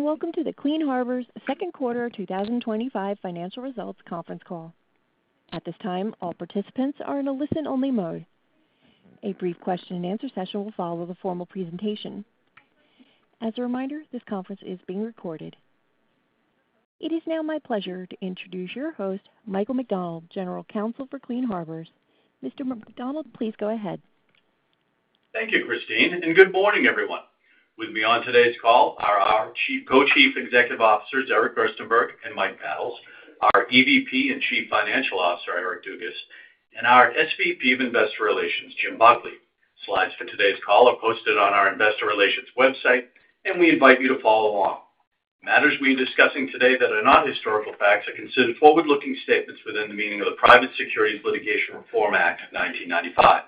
Welcome to the Clean Harbors second quarter 2025 financial results conference call. At this time all participants are in a listen only mode. A brief question and answer session will follow the formal presentation. As a reminder, this conference is being recorded. It is now my pleasure to introduce your host, Michael McDonald, General Counsel for Clean Harbors. Mr. McDonald, please go ahead. Thank you, Christine, and good morning, everyone. With me on today's call are our Co-Chief Executive Officers Eric Gerstenberg and Mike Battles, our EVP and Chief Financial Officer Eric Dugas, and our SVP of Investor Relations Jim Buckley. Slides for today's call are posted on our Investor Relations website, and we invite you to follow along. Matters we are discussing today that are not historical facts are considered forward-looking statements within the meaning of the Private Securities Litigation Reform Act of 1995.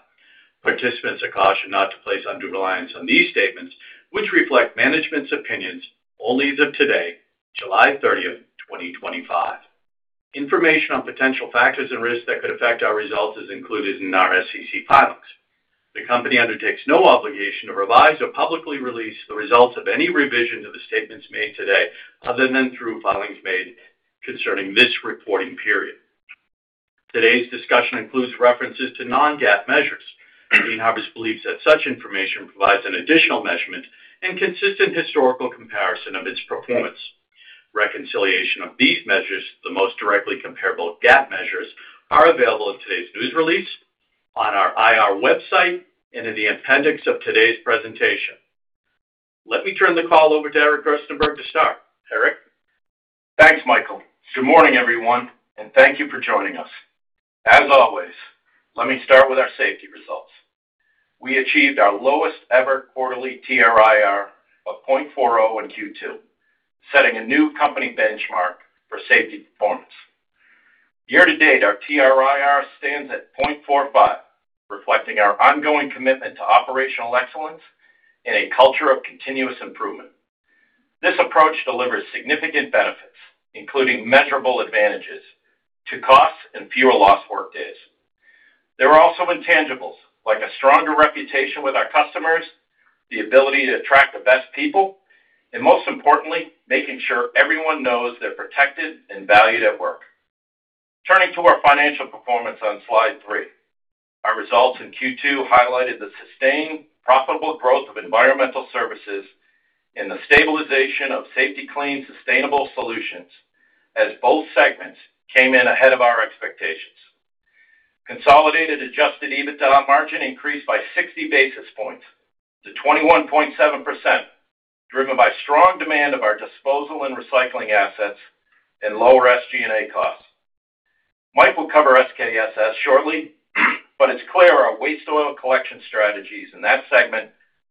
Participants are cautioned not to place undue reliance on these statements, which reflect management's opinions only as of today, July 30, 2025. Information on potential factors and risks that could affect our results is included in our SEC filings. The company undertakes no obligation to revise or publicly release the results of any revision to the statements made today other than through filings made concerning this reporting period. Today's discussion includes references to non-GAAP measures. Clean Harbors believes that such information provides an additional measurement and consistent historical comparison of its performance. Reconciliation of these measures to the most directly comparable GAAP measures are available in today's news release on our IR website and in the appendix of today's presentation. Let me turn the call over to. Eric Gerstenberg to start. Eric, thanks Michael. Good morning everyone and thank you for joining us. As always, let me start with our safety results. We achieved our lowest ever quarterly TRIR of 0.40 in Q2, setting a new company benchmark for safety performance. Year to date, our TRIR stands at 0.45, reflecting our ongoing commitment to operational excellence. A culture of continuous improvement. This approach delivers significant benefits including measurable advantages to costs and fewer lost work days. There are also intangibles like a stronger reputation with our customers, the ability to attract the best people, and most importantly, making sure everyone knows they're protected and valued at work. Turning to our financial performance on Slide 3, our results in Q2 highlighted the sustained profitable growth of environmental services and the stabilization of Safety-Kleen Sustainable Solutions. As both segments came in ahead of our expectations, consolidated adjusted EBITDA margin increased by 60 basis points to 21.7%, driven by strong demand of our disposal and recycling assets and lower SG&A cost. Mike will cover SKSS shortly, but it's clear our waste oil collection strategies in that segment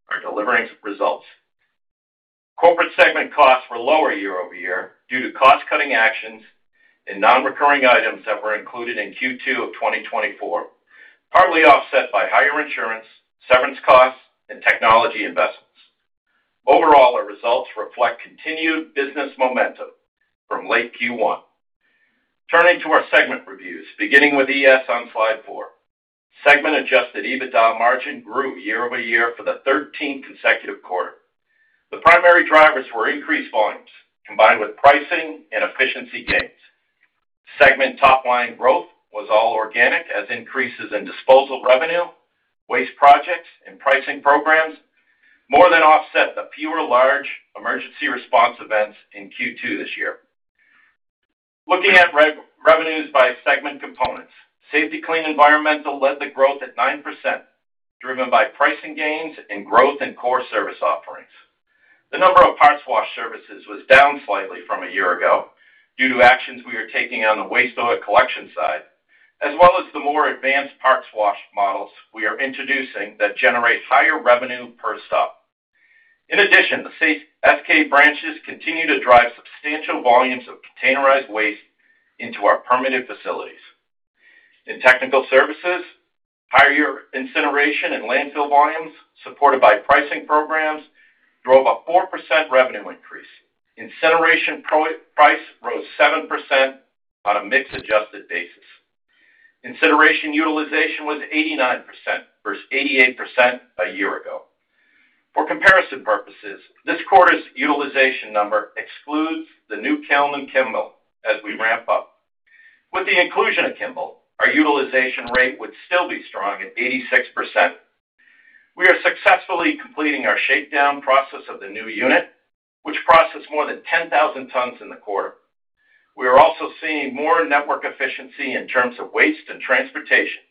are delivering results. Corporate segment costs were lower year over year due to cost cutting actions and non-recurring items that were included in Q2 of 2024, partly offset by higher insurance, severance costs, and technology investments. Overall, our results reflect continued business momentum from late Q1. Turning to our segment reviews, beginning with ES on Slide 4, segment adjusted EBITDA margin grew year over year for the 13th consecutive quarter. The primary drivers were increased volumes combined with pricing and efficiency gains. Segment top line growth was all organic as increases in disposal revenue, waste projects, and pricing programs more than offset the fewer large emergency response events in Q2 this year. Looking at revenues by segment components, Safety-Kleen Environmental led the growth at 9%, driven by pricing gains and growth in core service offerings. The number of parts wash services was down slightly from a year ago due to actions we are taking on the waste oil collection side as well as the more advanced parts wash models we are introducing that generate higher revenue per stop. In addition, the SK branches continue to drive substantial volumes of containerized waste into our permitted facilities. In technical services, higher incineration and landfill volumes supported by pricing programs drove a 4% revenue increase. Incineration price rose 7%. On a mix-adjusted basis, incineration utilization was 89% versus 88% a year ago. For comparison purposes, this quarter's utilization number excludes the new kiln in Kimball. As we ramp up with the inclusion of Kimball, our utilization rate would still be strong at 86%. We are successfully completing our shakedown process of the new unit, which processed more than 10,000 tons in the quarter. We are also seeing more network efficiency in terms of waste and transportation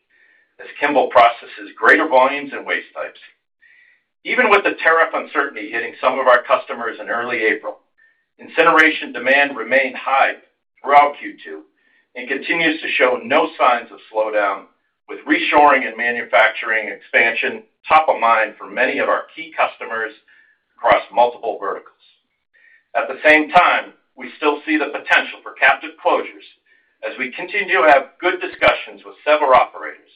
as Kimball processes greater volumes and waste types. Even with the tariff uncertainty hitting some of our customers in early April, incineration demand remained high throughout Q2 and continues to show no signs of slowdown with reshoring and manufacturing expansion top of mind for many of our key customers across multiple verticals. At the same time, we still see the potential for captive closures as we continue to have good discussions with several operators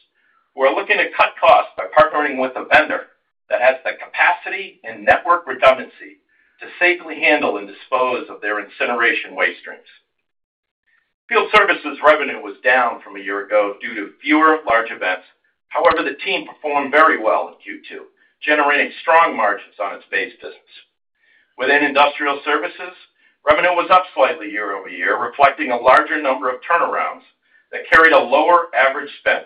who are looking to cut costs by partnering with a vendor that has the capacity and network redundancy to safely handle and dispose of their incineration waste streams. Field services revenue was down from a year ago due to fewer large events. However, the team performed very well in Q2, generating strong margins on its base business. Within industrial services, revenue was up slightly year over year, reflecting a larger number of turnarounds that carried a lower average spend.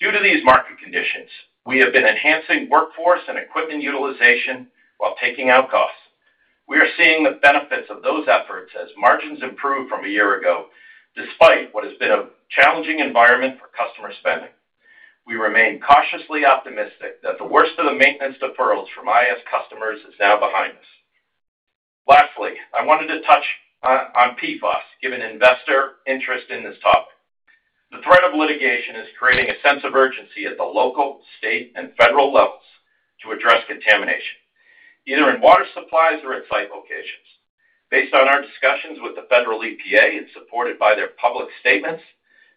Due to these market conditions, we have been enhancing workforce and equipment utilization while taking out costs. We are seeing the benefits of those efforts as margins improve from a year ago. Despite what has been a challenging environment for customer spending, we remain cautiously optimistic that the worst of the maintenance deferrals from IAS customers is now behind us. Lastly, I wanted to touch on PFAS given investor interest in this topic. The threat of litigation is creating a sense of urgency at the local, state, and federal levels to address contamination either in water supplies or at site locations. Based on our discussions with the Federal EPA and supported by their public statements,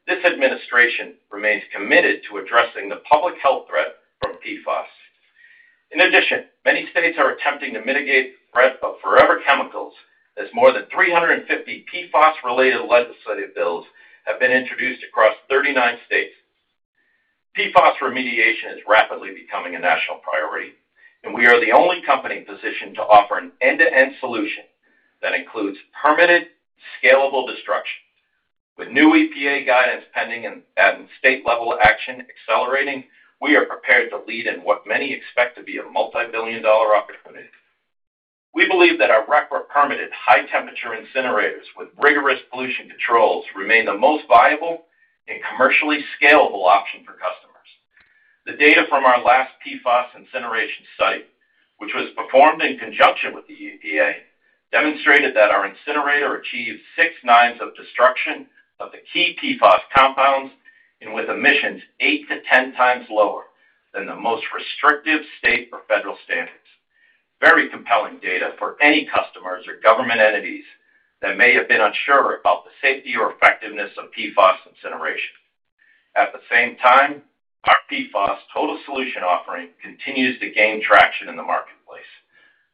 this administration remains committed to addressing the public health threat from PFAS. In addition, many states are attempting to mitigate the threat of forever chemicals as more than 350 PFAS-related legislative bills have been introduced across 39 states. PFAS remediation is rapidly becoming a national priority and we are the only company positioned to offer an end-to-end solution that includes permanent scalable destruction. With new EPA guidance pending and state-level action accelerating, we are prepared to lead in what many expect to be a multibillion dollar opportunity. We believe that our record-permitted high temperature incinerators with rigorous pollution controls remain the most viable and commercially scalable option for customers. The data from our last PFAS incineration study, which was performed in conjunction with the EPA, demonstrated that our incinerator achieved six nines of destruction of the key PFAS compounds and with emissions 8-10 times lower than the most restrictive state or federal standards. Very compelling data for any customers or government entities that may have been unsure about the safety or effectiveness of PFAS incineration. At the same time, our PFAS Total Solution offering continues to gain traction in the marketplace.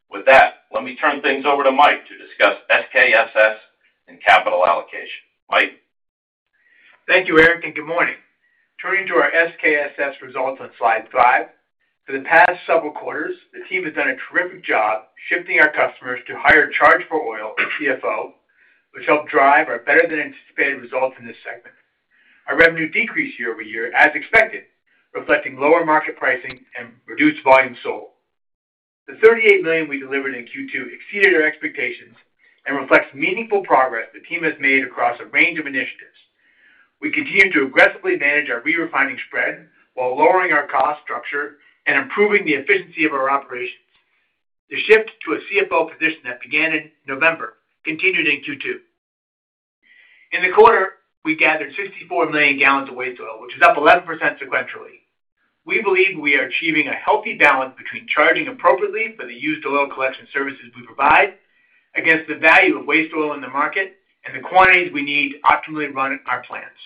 With that, let me turn things over to Mike to discuss SKSS and capital allocation. Mike. Thank you, Eric, and good morning. Turning to our SKSS results on Slide 5, for the past several quarters the team has done a terrific job shifting our customers to higher charge-for-oil and CFO, which helped drive our better than anticipated results in this segment. Our revenue decreased year over year as expected, reflecting lower market pricing and reduced volume sold. The $38 million we delivered in Q2 exceeded our expectations and reflects meaningful progress the team has made across a range of initiatives. We continue to aggressively manage our re-refining spread while lowering our cost structure and improving the efficiency of our operations. The shift to a CFO position that began in November continued in Q2. In the quarter, we gathered 64 million gallons of waste oil, which is up 11% sequentially. We believe we are achieving a healthy balance between charging appropriately for the used oil collection services we provide and against the value of waste oil in the market and the quantities we need to optimally run our plants.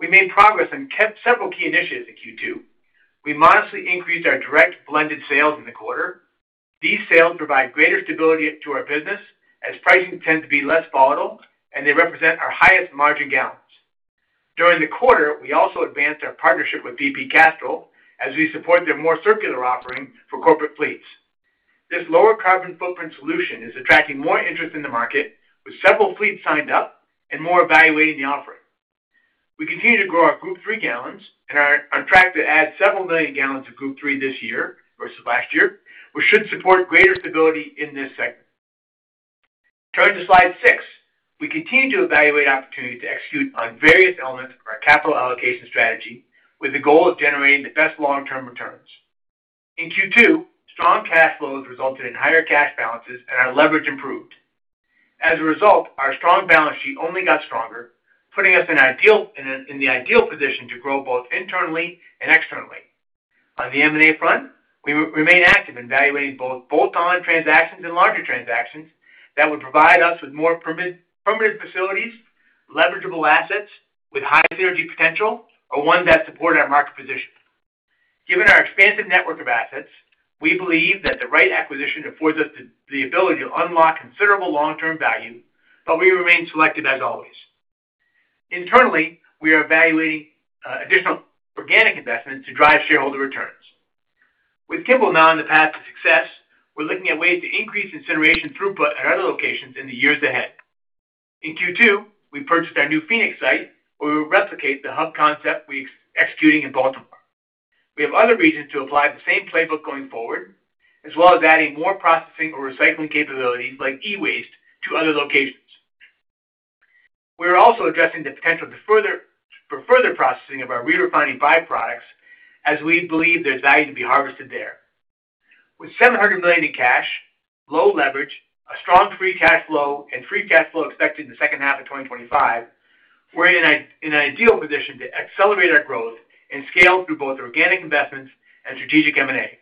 We made progress on several key initiatives in Q2. We modestly increased our direct blended sales in the quarter. These sales provide greater stability to our business as pricing tends to be less volatile and they represent our highest margin gallons during the quarter. We also advanced our partnership with BP Castrol as we support their more circular offering for corporate fleets. This lower carbon footprint solution is attracting more interest in the market, with several fleets signed up and more evaluating the offering. We continue to grow our Group 3 gallons and are on track to add several million gallons of Group 3 this year versus last year, which should support greater stability in this segment. Turning to Slide 6, we continue to evaluate opportunities to execute on various elements of our capital allocation strategy with the goal of generating the best long-term returns. In Q2, strong cash flows resulted in higher cash balances and our leverage improved as a result. Our strong balance sheet only got stronger, putting us in the ideal position to grow both internally and externally. On the M&A front, we remain active in evaluating both bolt-on transactions and larger transactions that would provide us with more permanent facilities, leverageable assets with high synergy potential, or ones that support our market position. Given our expansive network of assets, we believe that the right acquisition affords us the ability to unlock considerable long-term value, but we remain selective as always. Internally, we are evaluating additional organic investments to drive shareholder returns. With Kimball now on the path to success, we're looking at ways to increase incineration throughput at other locations in the years ahead. In Q2, we purchased our new Phoenix site where we will replicate the hub concept we are executing in Baltimore. We have other reasons to apply the same playbook going forward. As well as adding more processing or recycling capabilities like e-waste to other locations, we are also addressing the potential for further processing of our re-refining byproducts as we believe there's value to be harvested there. With $700 million in cash, low leverage, strong free cash flow, and free cash flow expected in the second half of 2025, we're in an ideal position to accelerate our growth and scale through both organic investments and strategic M&A.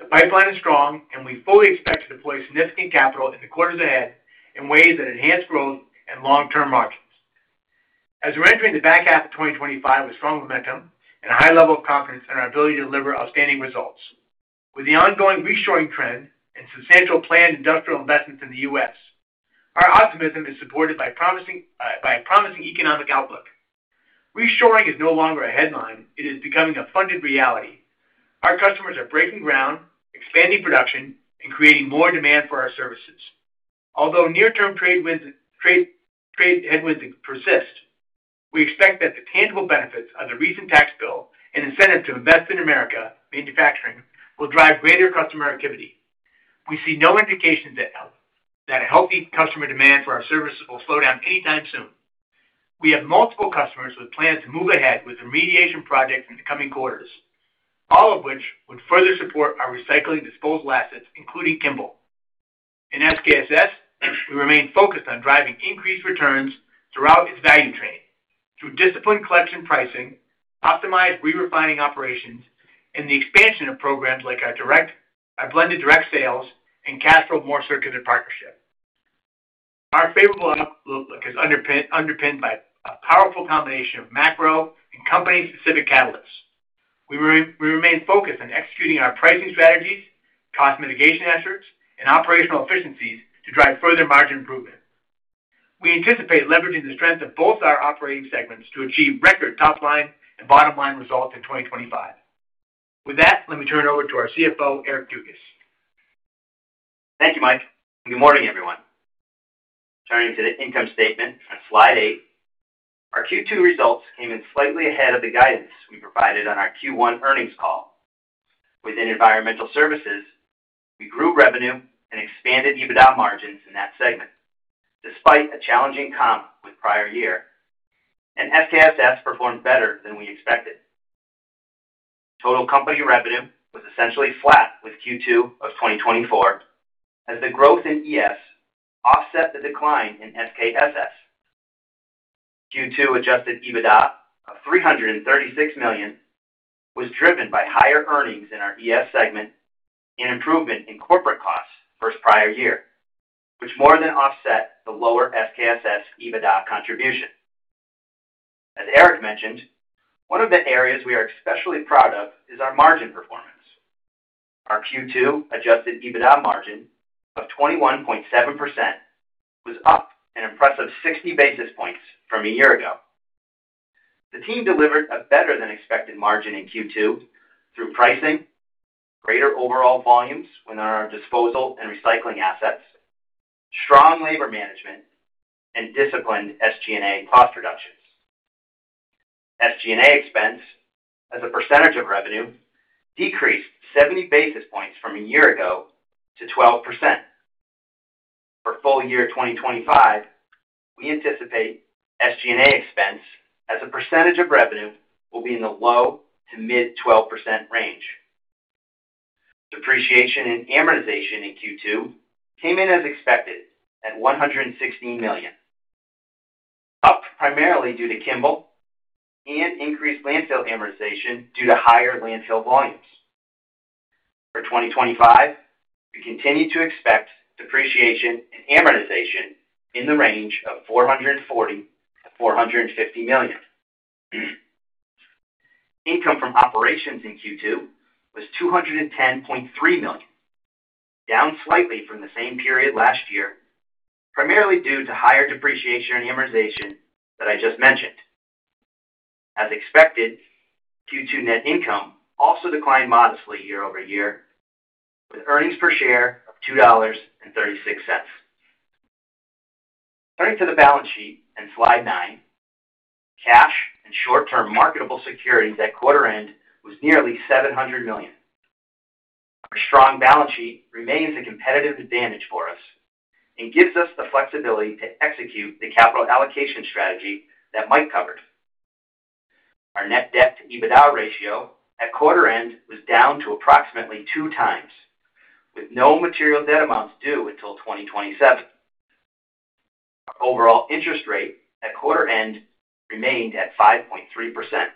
The pipeline is strong and we fully expect to deploy significant capital in the quarters ahead in ways that enhance growth and long-term margins. As we're entering the back half of 2025 with strong momentum and a high level of confidence in our ability to deliver outstanding results. With the ongoing reshoring trend and substantial planned industrial investments in the U.S., our optimism is supported by a promising economic outlook. Reshoring is no longer a headline, it is becoming a funded reality. Our customers are breaking ground, expanding production, and creating more demand for our services. Although near-term trade headwinds persist, we expect that the tangible benefits of the recent tax bill and incentive to invest in American manufacturing will drive greater customer activity. We see no indication that healthy customer demand for our services will slow down anytime soon. We have multiple customers with plans to move ahead with remediation projects in the coming quarters, all of which would further support our recycling disposal assets, including Kimball. In SKSS, we remain focused on driving increased returns throughout its value chain through disciplined collection pricing, optimized re-refining operations, and the expansion of programs like our direct blended direct sales and cash flow more circular partnership. Our favorable outlook is underpinned by a powerful combination of macro and company-specific catalysts. We remain focused on executing our pricing strategies, cost mitigation efforts and operational efficiencies. To drive further margin improvement, we anticipate leveraging the strength of both our operating segments to achieve record top line and bottom line results in 2025. With that, let me turn it over to our CFO Eric Dugas. Thank you Mike. Good morning everyone. Turning to the income statement on slide eight, our Q2 results came in slightly ahead of the guidance we provided on our Q1 earnings call. Within Environmental Services, we grew revenue and expanded EBITDA margins in that segment despite a challenging comp with prior year and SKSS performed better than we expected. Total company revenue was essentially flat with Q2 of 2024 as the growth in ES offset the decline in SKSS. Q2 adjusted EBITDA of $336 million was driven by higher earnings in our ES segment and improvement in corporate costs versus prior year which more than offset the lower SKSS EBITDA contribution. As Eric mentioned, one of the areas we are especially proud of is our margin performance. Our Q2 adjusted EBITDA margin of 21.7% was up an impressive 60 basis points from a year ago. The team delivered a better than expected margin in Q2 through pricing, greater overall volumes within our disposal and recycling assets, strong labor management and disciplined SG and A cost reductions. SG and A expense as a percentage. Of revenue decreased 70 basis points from. A year ago to 12% for full year 2025. We anticipate SGA expense as a percentage of revenue will be in the low to mid 12% range. Depreciation and amortization in Q2 came in as expected at $116 million, up primarily due to Kimball and increased landfill amortization due to higher landfill volumes. For 2025, we continue to expect depreciation and amortization in the range of $440-$450 million. Income from operations in Q2 was $210.3 million, down slightly from the same period last year, primarily due to higher depreciation and amortization that I just mentioned. As expected, Q2 net income also declined modestly year over year with earnings per share of $2.36. Turning to the balance sheet and slide 9, cash and short term marketable securities at quarter end was nearly $700 million. Our strong balance sheet remains a competitive advantage for us and gives us the flexibility to execute the capital allocation strategy that Mike covered. Our net debt to EBITDA ratio at quarter end was down to approximately two times with no material debt amounts due until 2027. Our overall interest rate at quarter end remained at 5.3%.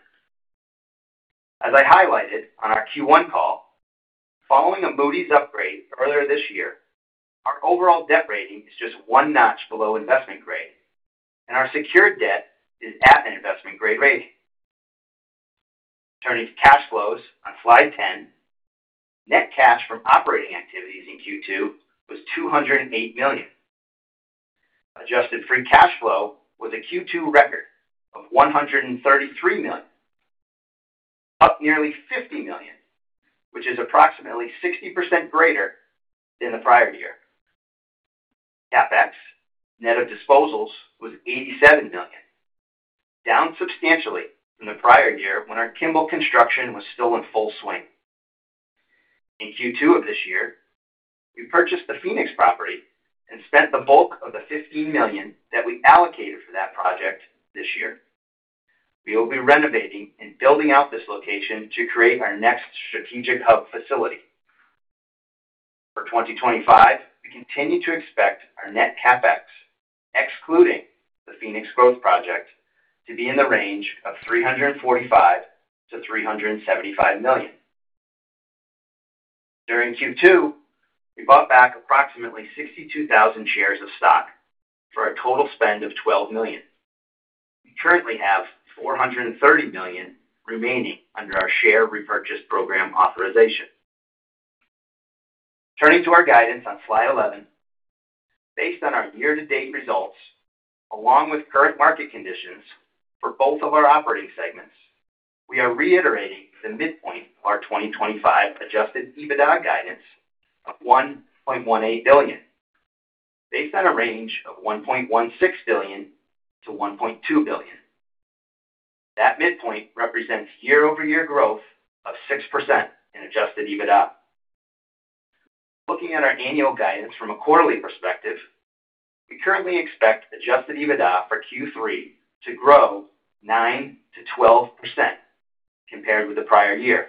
As I highlighted on our Q1 call following a Moody’s upgrade earlier this year, our overall debt rating is just one notch below investment grade and our secured debt is at an investment grade rating. Turning to cash flows on slide 10, net cash from operating activities in Q2 was $208 million. Adjusted free cash flow with a Q2 record of $133 million, up nearly $50 million, which is approximately 60% greater than the prior year. CapEx net of disposals was $87 million, down substantially from the prior year when our Kimball construction was still in full swing. In Q2 of this year we purchased the Phoenix property and spent the bulk of the $15 million that we allocated for that project. This year we will be renovating and building out this location to create our next strategic hub facility for 2025. We continue to expect our net CapEx, excluding the Phoenix growth project, to be in the range of $345-$375 million. During Q2 we bought back approximately 62,000 shares of stock for a total spend of $12 million. We currently have $430 million remaining under our Share Repurchase Program authorization. Turning to our guidance on Slide 11, based on our year to date results along with current market conditions for both of our operating segments, we are reiterating the midpoint of our 2025 adjusted EBITDA guidance of $1.18 billion based on a range of $1.16 billion-$1.2 billion. That midpoint represents year over year growth of 6% in adjusted EBITDA. Looking at our annual guidance from a quarterly perspective, we currently expect adjusted EBITDA for Q3 to grow 9%-12% compared with the prior year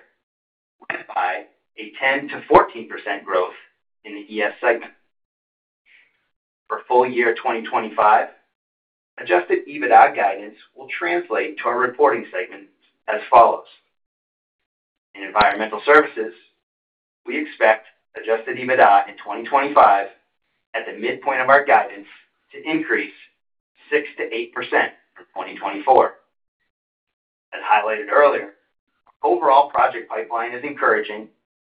by a 10%-14% growth in the ES segment. For full year 2025, adjusted EBITDA guidance will translate to our reporting segment as follows. In Environmental Services, we expect adjusted EBITDA in 2025 at the midpoint of our guidance to increase 6%-8% for 2024. As highlighted earlier, overall project pipeline is encouraging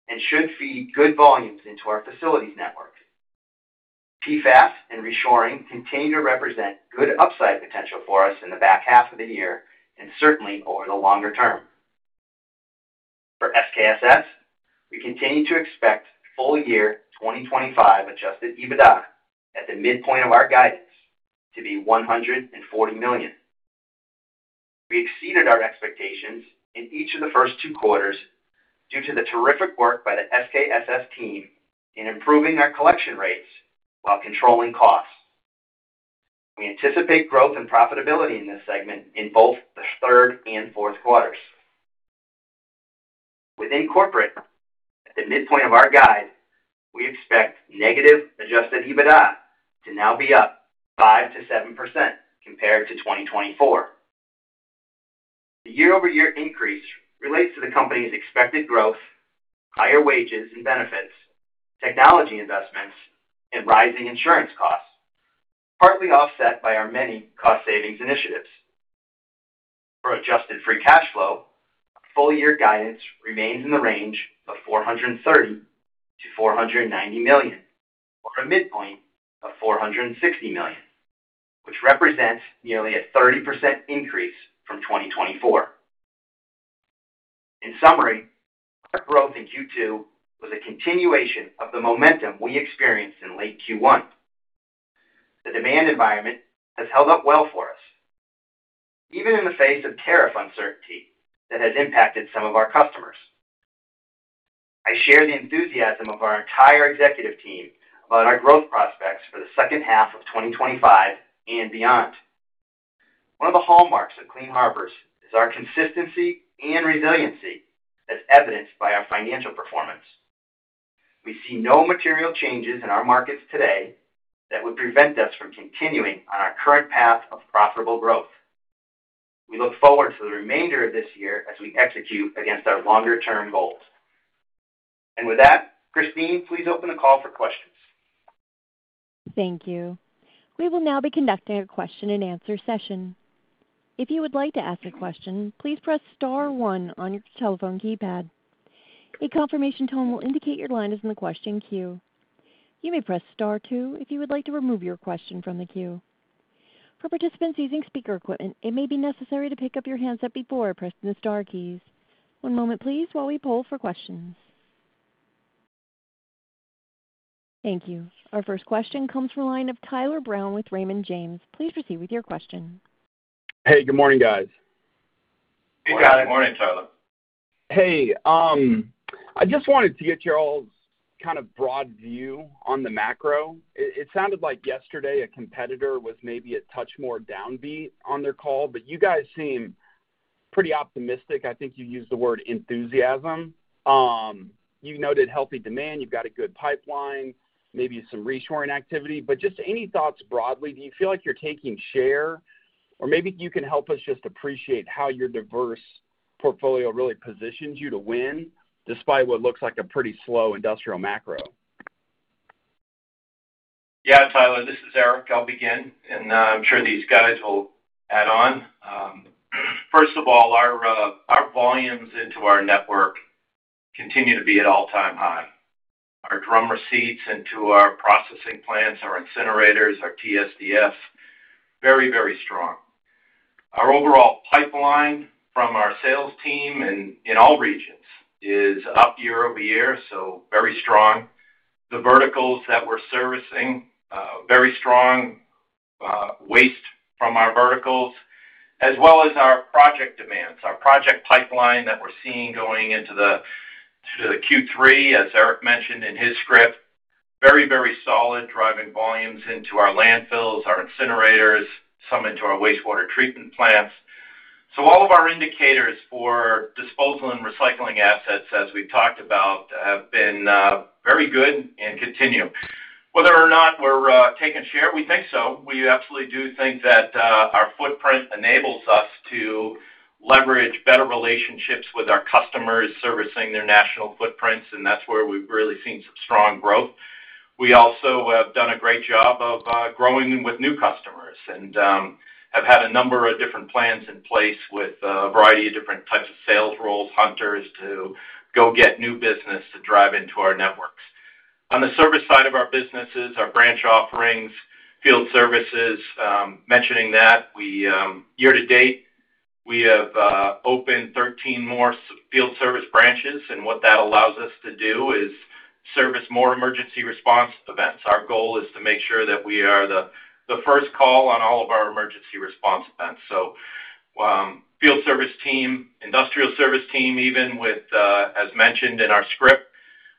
and should feed good volumes into our facilities network. PFAS and reshoring continue to represent good upside potential for us in the back half of the year and certainly over the longer term. For SKSS, we continue to expect full year 2025 adjusted EBITDA at the midpoint of our guidance to be $140 million. We exceeded our expectations in each of the first two quarters due to the terrific work by the SKSS team in improving our collection rates while controlling costs. We anticipate growth and profitability in this segment in both the third and fourth quarters. Within Corporate, at the midpoint of our guide, we expect negative adjusted EBITDA to now be up 5%-7% compared to 2024. The year over year increase relates to the company's expected growth, higher wages and benefits, technology investments and rising insurance costs, partly offset by our many cost savings initiatives. For adjusted free cash flow, full year guidance remains in the range of $430 million-$490 million or a midpoint of $460 million, which represents nearly a 30% increase from 2024. In summary, our growth in Q2 was a continuation of the momentum we experienced in late Q1. The demand environment has held up well for us even in the face of tariff uncertainty that has impacted some of our customers. I share the enthusiasm of our entire executive team about our growth prospects for the second half of 2025 and beyond. One of the hallmarks of Clean Harbors is our consistency and resiliency as evidenced. By our financial performance. We see no material changes in our markets today that would prevent us from continuing on our current path of profitable growth. We look forward to the remainder of this year as we execute against our longer term goals, and with that, Christine, please open the call for questions. Thank you. We will now be conducting a question and answer session. If you would like to ask a question, please press Star one on your telephone keypad. A confirmation tone will indicate your line is in the question queue. You may press Star two if you would like to remove your question from the queue. For participants using speaker equipment, it may be necessary to pick up your handset before pressing the star keys. One moment, please, while we poll for questions. Thank you. Our first question comes from the line of Tyler Brown with Raymond James. Please proceed with your question. Hey, good morning, guys. Hey, Tyler. Good morning, Tyler. Hey, I just wanted to get y'all's kind of broad view on the macro. It sounded like yesterday a competitor was maybe a touch more downbeat on their call, but you guys seem pretty optimistic. I think you use the word enthusiasm. You noted healthy demand. You've got a good pipeline, maybe some reshoring activity, but just any thoughts broadly? Do you feel like you're taking share? Or maybe you can help us just appreciate how your diverse portfolio really positions you to win despite what looks like a pretty slow industrial macro. Yeah, Tyler, this is Eric. I'll begin and I'm sure these guys will add on. First of all, our volumes into our network continue to be at all-time high. Our drum receipts into our processing plants, our incinerators, our TSDFs, very, very strong. Our overall pipeline from our sales team and in all regions is up year over year. Very strong the verticals that we're servicing, very strong waste from our verticals as well as our project demands. Our project pipeline that we're seeing going into the Q3, as Eric mentioned in his script, very, very solid. Driving volumes into our landfills, our incinerators, some into our wastewater treatment plants. All of our indicators for disposal and recycling assets as we talked about have been very, very good and continue whether or not we're taking share. We think so. We absolutely do think that our footprint enables us to leverage better relationships with our customers servicing their national footprints. That's where we've really seen some strong growth. We also have done a great job of growing with new customers and have had a number of different plans in place with a variety of different types of sales roles. Hunters to go get new business to drive into our networks on the service side of our businesses, our branch offerings, field services. Mentioning that year to date, we have opened 13 more field service branches. What that allows us to do is service more emergency response events. Our goal is to make sure that we are the first call on all of our emergency response events. Field service team, industrial service team. Even with, as mentioned in our script,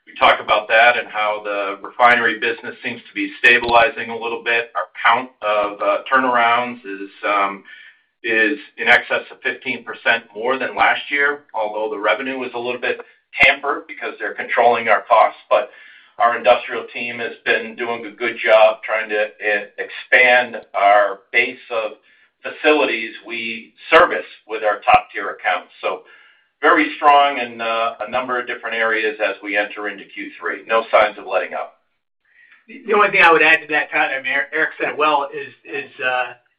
we talk about that and how the refinery business seems to be stabilizing a little bit. Our count of turnarounds is in excess of 15% more than last year. Although the revenue was a little bit tampered because they're controlling our costs. Our industrial team has been doing a good job trying to expand our base of facilities. We service with our top tier accounts so very strong in a number of different areas. As we enter into Q3, no signs of letting up. The only thing I would add to that, Eric said,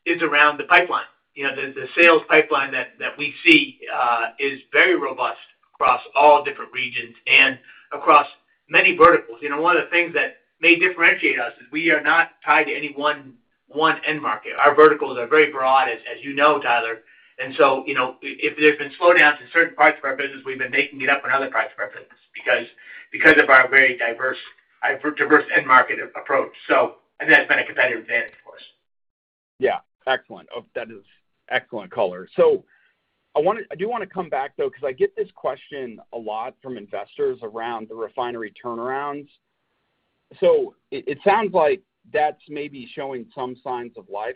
is around the pipeline, the sales pipeline that we see is very robust across all different regions and across many verticals. One of the things that may differentiate us is we are not tied to any one end market. Our verticals are very broad, as you know, Tyler. You know, if there's been slowdowns in certain parts of our business, we've been making it up on other parts of our business because of our very diverse end market approach. That has been a competitive advantage for us. Yeah, excellent. That is excellent color. I do want. To come back though, because I get this question a lot from investors around the refinery turnarounds. It sounds like that's maybe showing some signs of life.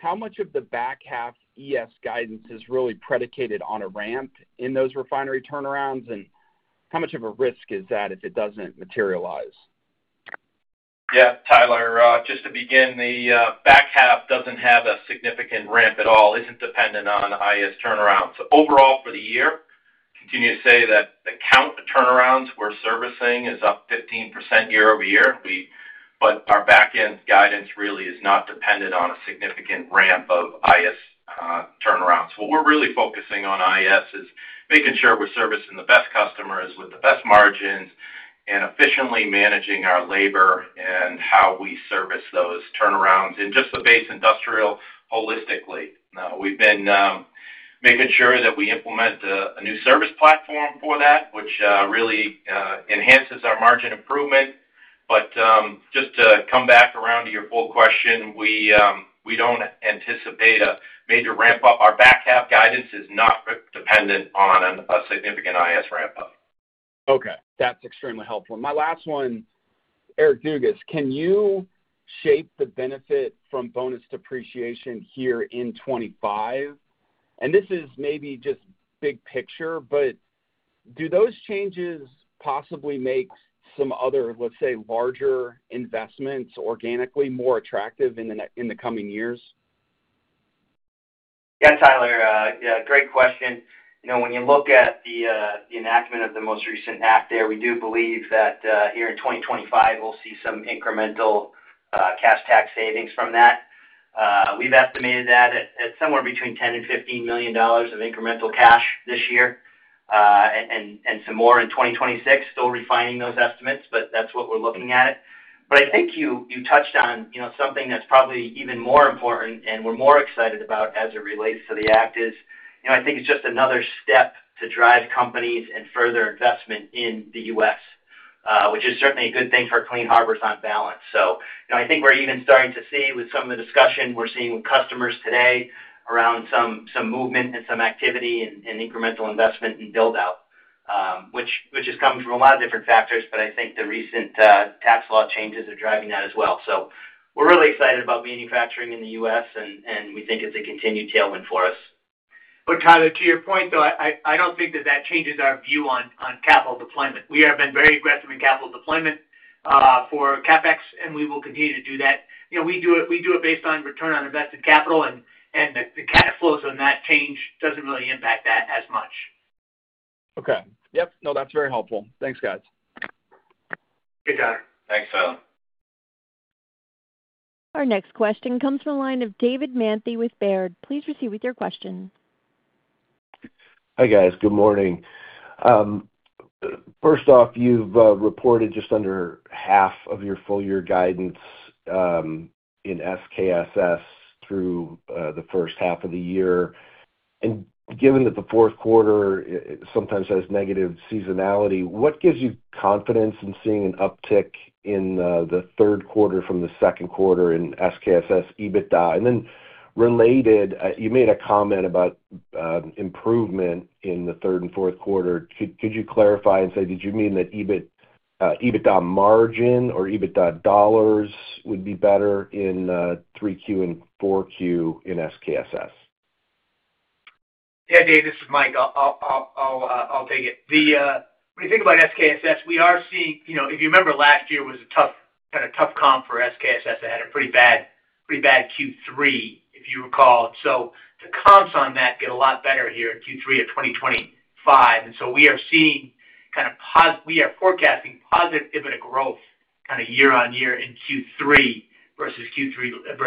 How much of the back half ES guidance is really predicated on a ramp in those refinery turnarounds and how much of a risk is that if it doesn't materialize? Yeah, Tyler, just to begin, the back half doesn't have a significant ramp at all. It isn't dependent on IS turnaround. Overall for the year, continue to say that the count of turnarounds we're servicing is up 15% year over year. Our back end guidance really is not dependent on a significant ramp of IS turnarounds. What we're really focusing on is making sure we're servicing the best customers with the best margins and efficiently managing our labor and how we service those turnarounds in just the base industrial. Holistically, we've been making sure that we implement a new service platform for that which really enhances our margin improvement. Just to come back around to your full question, we don't anticipate a major ramp up. Our back half guidance is not dependent on a significant IS ramp up. Okay, that's extremely helpful. My last one, Eric Dugas, can you shape the benefit from bonus depreciation here in 2025? This is maybe just big picture, but do those changes possibly make some other, let's say, larger investments organically more attractive in the coming years? Yeah, Tyler, great question. You know, when you look at the enactment of the most recent NAFTA, we do believe that here in 2025, we'll see some incremental cash tax savings from that. We've estimated that at somewhere between $10 million and $15 million of incremental cash this year and some more in 2026. Still refining those estimates, but that's what we're looking at. I think you touched on something that's probably even more important and we're more excited about as it relates to the act is I think it's just another step to drive companies and further investment in the U.S., which is certainly a good thing for Clean Harbors on balance. I think we're even starting to see with some of the discussion we're seeing with customers today around some movement and some activity and incremental investment and build out, which has come from a lot of different factors. I think the recent tax law changes are driving that as well. We're really excited about manufacturing in the U.S. and we think it's a continued tailwind for us. Tyler, to your point though, I don't think that that changes our view on capital deployment. We have been very aggressive in capital deployment for CapEx and we will continue to do that. You know, we do it, we do it based on return on invested capital and the cash flows on that change doesn't really impact that as much. Okay, yep, no, that's very helpful. Thanks guys. Good, Connor. Thanks Tyler. Our next question comes from the line of David Manthey with Baird. Please proceed with your questions. Hi guys. Good morning. First off, you've reported just under half of your full year guidance in SKSS through the first half of the year. Given that the fourth quarter sometimes has negative seasonality, what gives you confidence in seeing an uptick in the third quarter from the second quarter in SKSS, EBITDA, and then related, you made a comment about improvement in the third and fourth quarter. Could you clarify and say did you mean that EBITDA margin or EBITDA dollars would be better in 3Q and 4Q in SKSS? Yeah, Dave, this is Mike. I'll take it. When you think about SKSS, we are seeing, you know, if you remember, last year was a tough kind of tough comp for SKSS that had a pretty bad, pretty bad Q3 if you recall. The comps on that get a lot better here in Q3 of 2025. We are seeing kind of, we are forecasting positive EBITDA growth kind of year on year in Q3 versus Q3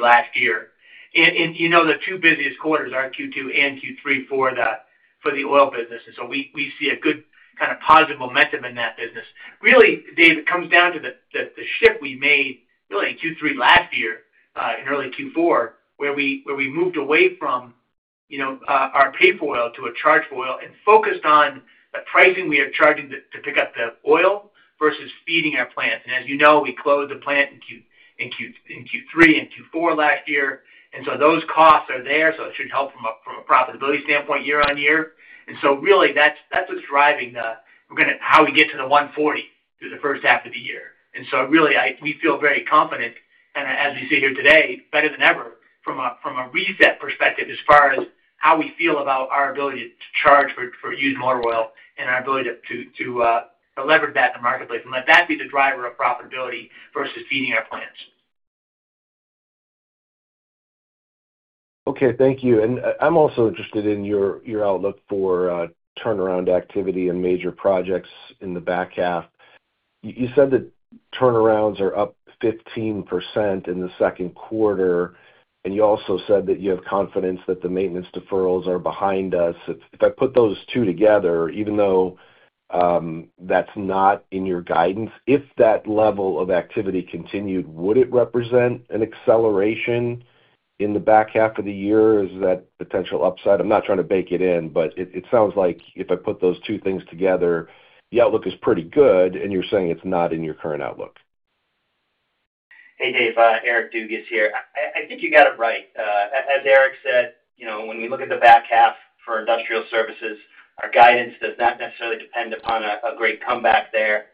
last year. You know, the two busiest quarters are Q2 and Q3 for that, for the oil business. We see a good kind of positive momentum in that business. Really, Dave, it comes down to the shift we made really in Q3 last year in early Q4, where we moved away from our pay for oil to a charge for oil and focused on the pricing we are charging to pick up the oil versus feeding our plants. As you know, we closed the plant in Q3 and Q4 last year. Those costs are there. It should help from a profitability standpoint year on year. Really, that's what's driving how we get to the 140 through the first half of the year. We feel very confident and as we sit here today, better than ever from a reset perspective as far as how we feel about our ability to charge for used motor oil and our ability to leverage that in the marketplace and let that be the driver of profitability versus feeding our plants. Okay, thank you. I'm also interested in your outlook for turnaround activity and major projects in the back half. You said that turnarounds are up 15% in the second quarter. You also said that you have confidence that the maintenance deferrals are behind us. If I put those two together, even though that's not in your guidance, if that level of activity continued, would it represent an acceleration in the back half of the year? Is that potential upside? I'm not trying to bake it in, but it sounds like if I put those two things together, the outlook is pretty good. You're saying it's not in your current outlook. Hey, Dave, Eric Dugas here. I think you got it right. As Eric said, you know, when we look at the back half for industrial services, our guidance does not necessarily depend upon a great comeback there.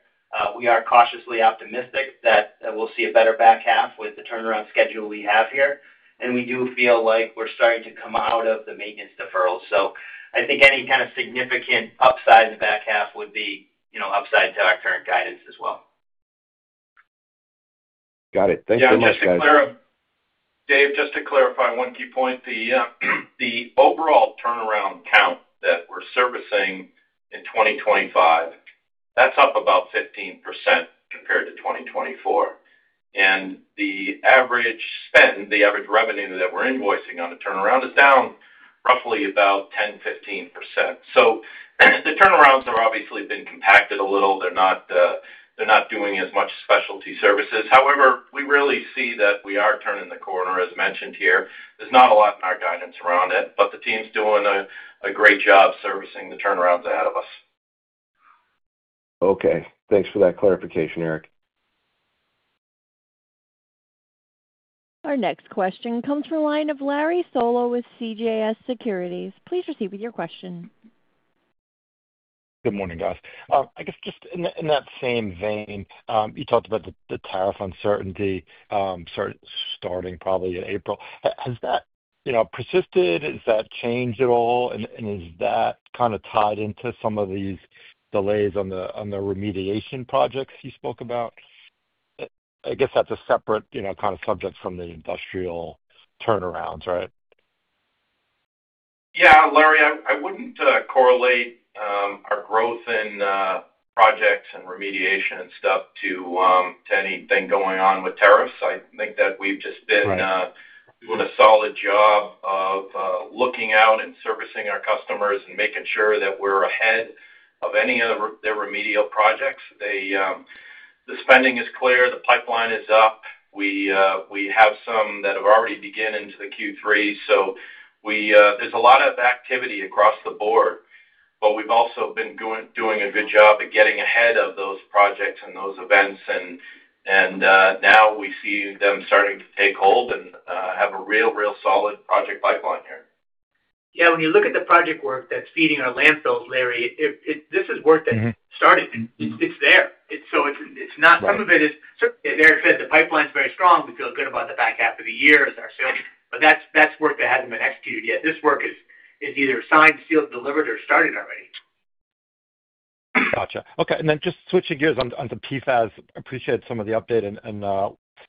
We are cautiously optimistic that we'll see a better back half with the turnaround schedule we have here. We do feel like we're starting to come out of the maintenance deferrals. I think any kind of significant upside in the back half would be upside to our current guidance as well. Got it. Thanks so much, guys. Dave, just to clarify one key point, the overall turnaround count that we're servicing in 2025, that's up about 15% compared to 2024. And the average spend, the average revenue that we're invoicing on a turnaround is down roughly about 10-15%. So the turnarounds have obviously been compacted a little. They're not doing as much specialty services. However, we really see that we are turning the corner. As mentioned here, there's not a lot in our guidance around it, but the team's doing a great job servicing the turnarounds ahead of us. Okay, thanks for that clarification, Eric. Our next question comes from the line of Larry Solow with CJS Securities. Please proceed with your question. Good morning guys. I guess just in that same vein you talked about the tariff uncertainty starting probably in April. Has that persisted? Has that changed at all? Is that kind of tied into some of these delays on the remediation projects you spoke about? I guess that's a separate kind of subject from the industrial turnarounds, right? Yeah. Larry, I would not correlate our growth in projects and remediation and stuff to anything going on with tariffs. I think that we have just been doing a solid job of looking out and servicing our customers and making sure that we are ahead any of their remedial projects. The spending is clear, the pipeline is up. We have some that have already begun into the Q3, so there is a lot of activity across the board. We have also been doing a good job at getting ahead of those projects and those events and now we see them starting to take hold and have a real, real solid project pipeline here. Yeah, when you look at the project work that is feeding our landfills, Larry, this is work that started. It is there, so it is not some of it is. Certainly, as Eric said, the pipeline is very strong. We feel good about the back half of the year, but that is work that has not been executed yet. This work is either signed, sealed, delivered or started already. Gotcha. Okay. Then just switching gears on the PFAS. Appreciate some of the update and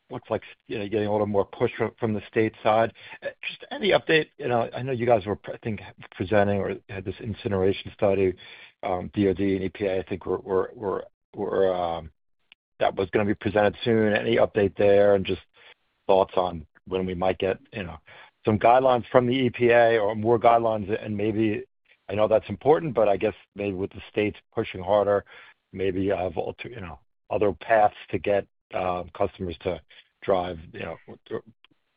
looks like getting a little more push from the state side. Just any update. I know you guys were, I think, presenting or had this incineration study, DOD and EPA. I think that was going to be presented soon. Any update there and just thoughts on when we might get some guidelines from the EPA or more guidelines and maybe, I know that's important, but I guess maybe with the state pushing harder, maybe other paths to get customers to drive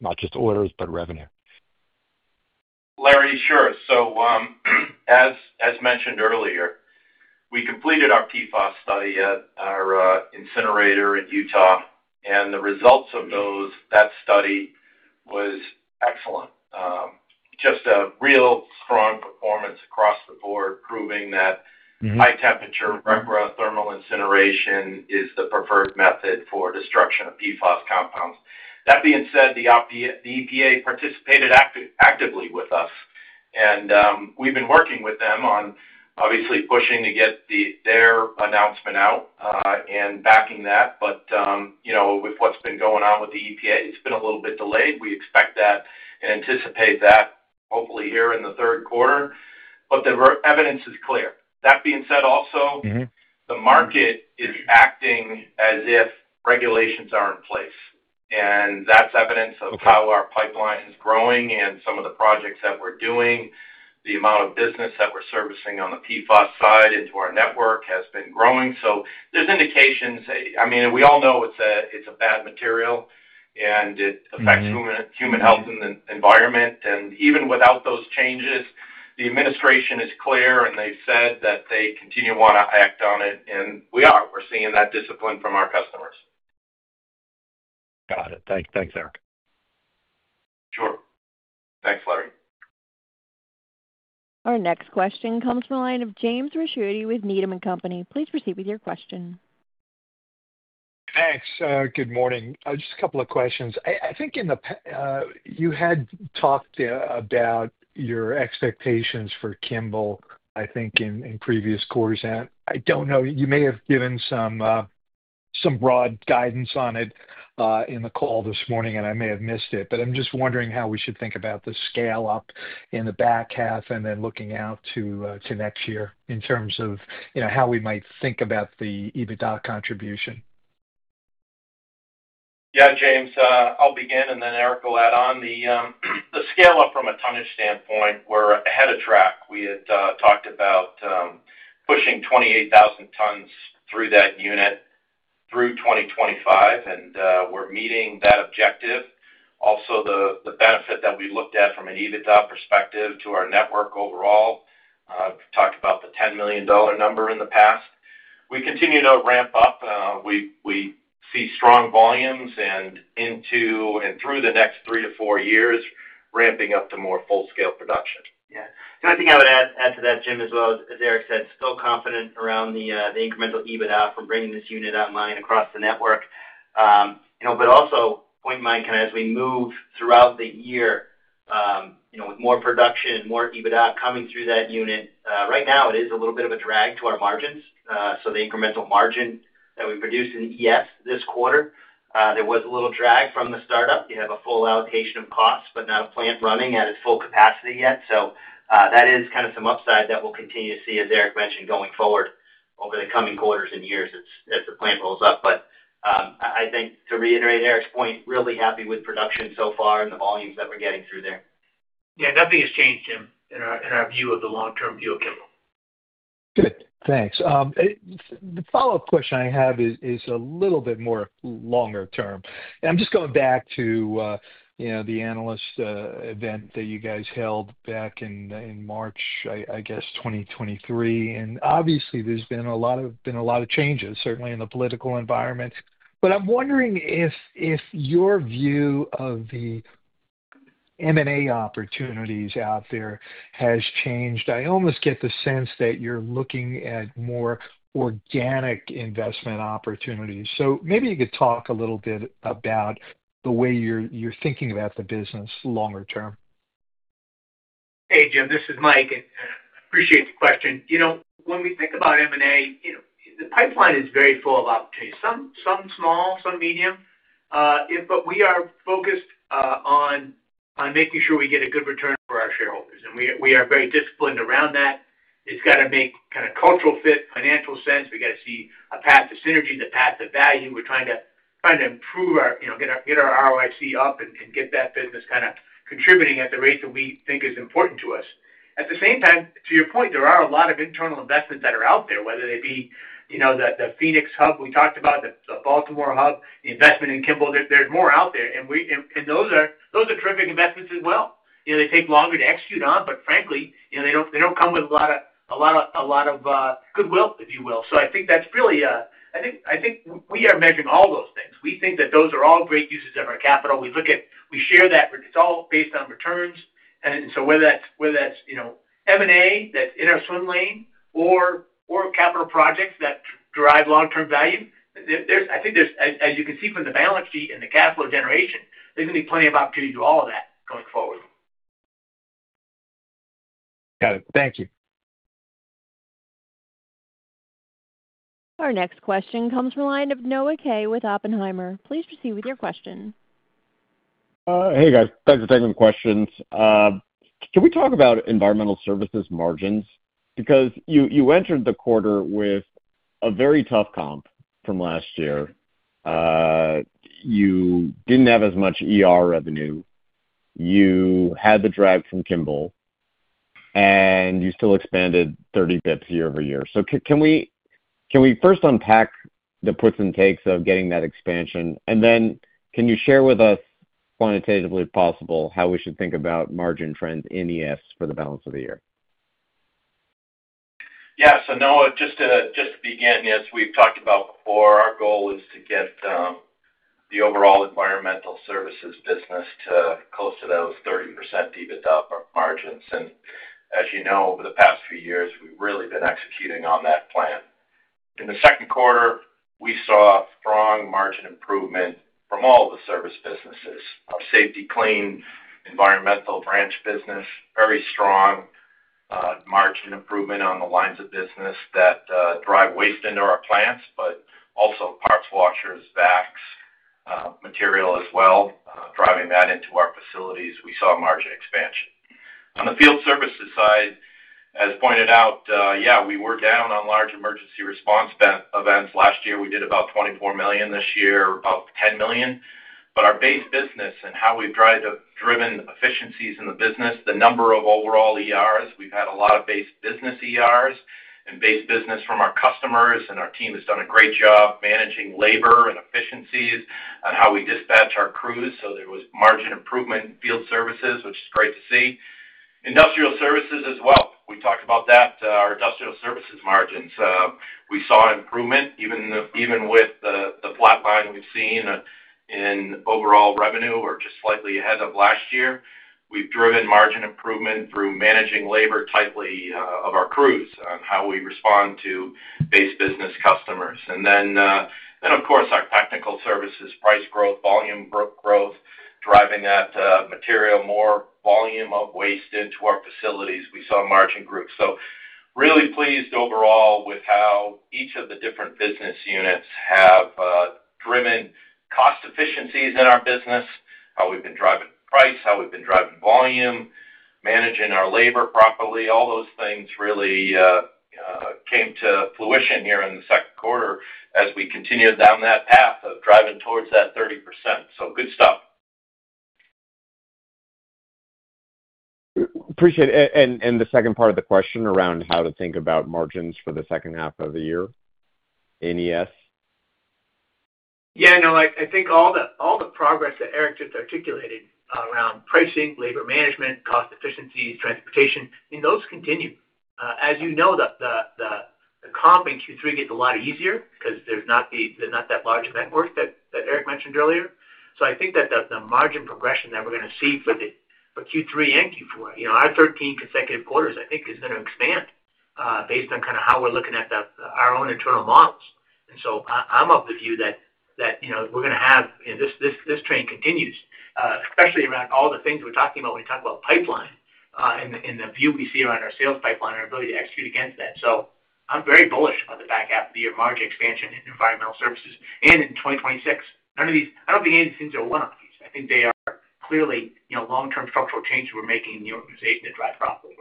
not just orders but revenue. Larry. Sure. As mentioned earlier, we completed our PFAS study at our incinerator in Utah and the results of that study were excellent. Just a real strong performance across the board proving that high temperature repro thermal incineration is the preferred method for destruction of PFAS. That being said, the EPA participated actively with us and we've been working with them on obviously pushing to get their announcement out and backing that. You know, with what's been going on with the EPA, it's been a little bit delayed. We expect that and anticipate that hopefully here in the third quarter. The evidence is clear. That being said, also, the market is acting as if regulations are in place and that's evidence of how our pipeline is growing and some of the projects that we're doing. The amount of business that we're servicing on the PFAS side into our network has been growing. There are indications. I mean, we all know it's a bad material and it affects human health and the environment. Even without those changes, the administration is clear and they said that they continue to want to act on it. We are, we're seeing that discipline from our customers. Got it. Thanks, Eric. Sure. Thanks, Larry. Our next question comes from the line of James Raschutti with Needham and Company. Please proceed with your question. Thanks. Good morning. Just a couple of questions. I think you had talked about your expectations for Kimball, I think in previous quarters. I do not know, you may have given some broad guidance on it in the call this morning and I may have missed it. I am just wondering how we should think about the scale up in the back half and then looking out to next year in terms of, you know, how we might think about the EBITDA contribution. Yeah, James, I will begin and then Eric will add on the scale up. From a tonnage standpoint, we are ahead of track. We had talked about pushing 28,000 tons through that unit through 2025 and we are meeting that objective. Also, the benefit that we looked at from an EBITDA perspective to our network overall, talked about the $10 million number in the past. We continue to ramp up. We see strong volumes and into and through the next three to four years ramping up to more full scale production. Yeah. The only thing I would add to that, Jim, as well, as Eric said, still confident around the incremental EBITDA from bringing this unit online across the network. Also, point in mind as we move throughout the year with more production and more EBITDA coming through that unit right now, it is a little bit of a drag to our margins. The incremental margin that we produced in ES this quarter, there was a little drag from the startup. You have a full allocation of costs but not a plant running at its full capacity yet. That is kind of some upside that we will continue to see. As Eric mentioned, going forward over the coming quarters and years as the plant rolls up. I think to reiterate Eric's point, really happy with production so far and the volumes that we are getting through there. Yeah, nothing has changed, Jim, in our view of the long term Fuel chemical. Good, thanks. The follow up question I have is. A little bit more longer term. I'm just going back to, you know, the analyst event that you guys held back in March, I guess 2023 and obviously there's been a lot of, been a lot of changes certainly in the political environment. I'm wondering if your view of. The M&A opportunities out there has changed. I almost get the sense that you're looking at more organic investment opportunities. Maybe you could talk a little bit about the way you're thinking about the business longer term. Hey Jim, this is Mike and appreciate the question. You know when we think about M&A, the pipeline is very full of opportunities, some small, some medium. We are focused on making sure we get a good return for our shareholders and we are very disciplined around that. It's got to make kind of cultural fit, financial sense. We've got to see a path to synergy, the path to value. We're trying to improve our, get our ROIC up and get that business kind of contributing at the rate that we think is important to us. At the same time, to your point, there are a lot of internal investments that are out there, whether they be the Phoenix hub we talked about, the Baltimore hub, the investment in Kimball, there's more out there and those are terrific investments as well. They take longer to execute on but frankly they don't come with a lot of goodwill, if you will. I think that's really, I think we are measuring all those things. We think that those are all great uses of our capital. We look at, we share that it's all based on returns. Whether that's M and A that's in our swim lane or capital projects that drive long term value, I think there's, as you can see from the balance sheet and the cash flow generation, there's going to be plenty of opportunity to do all of that going forward. Got it. Thank you. Our next question comes from the line of Noah Kaye with Oppenheimer. Please proceed with your question. Hey guys, thanks for taking questions. Can we talk about environmental services margins? Because you entered the quarter with a very tough comp from last year. You didn't have as much, er, revenue. You had the drag from Kimball and you still expanded 30 basis points year over year. Can we, can we first unpack the puts and takes of getting that expansion and then can you share with us quantitatively if possible, how we should think about margin trends in ES for the balance of the year? Yeah. So Noah, just to begin, as we've talked about before, our goal is to get the overall environmental services business to close to those 30% EBITDA margins. And as you know, over the past few years we've really been executing on that plan. In the second quarter, we saw strong margin improvement from all the service businesses, our Safety-Kleen environmental branch business, very strong margin improvement on the lines of business that drive waste into our plants, but also parts washers, vacs, material as well, driving that into our facilities. We saw margin expansion on the field services side, as pointed out. Yeah, we were down on large emergency response events. Last year we did about $24 million. This year, about $10 million. Our base business and how we've driven efficiencies in the business, the number of overall ERs. We've had a lot of base business ERs and base business from our customers. Our team has done a great job managing labor and efficiencies and how we dispatch our crews. There was margin improvement in field services, which is great to see. Industrial services as well. We talked about that. Our industrial services margins we saw improvement even with the flat line we've seen in overall revenue or just slightly ahead of last year. We've driven margin improvement through managing labor tightly of our crews, how we respond to base business customers. Of course our technical services price growth, volume growth, driving that material, more volume of waste into our facilities. We saw margin growth so really pleased overall with how each of the different business units have driven cost efficiencies in our business, how we've been driving price, how we've been driving volume, managing our labor properly. All those things really came to fruition here in the second quarter as we continue down that path of driving towards that 30%. Good stuff. Appreciate it. The second part of the question around how to think about margins for the second half of the year, nes. Yeah, no, I think all the progress that Eric just articulated around pricing, labor management, cost efficiencies, transportation, those continue. As you know, the comp in Q3 gets a lot easier because there's not that large network that Eric mentioned earlier. I think that the margin progression that we're going to see for Q3 and Q4, you know, our 13 consecutive quarters, I think is going to expand based on kind of how we're looking at our own internal models. I'm of the view that we're going to have this train continue especially around all the things we're talking about when we talk about pipeline and the view we see around our sales pipeline, our ability to execute against that. I'm very bullish on the back half of the year. Margin expansion in environmental services. In 2026, none of these, I don't think any of these things are one of these. I think they are clearly long term structural changes we're making in the organization to drive property.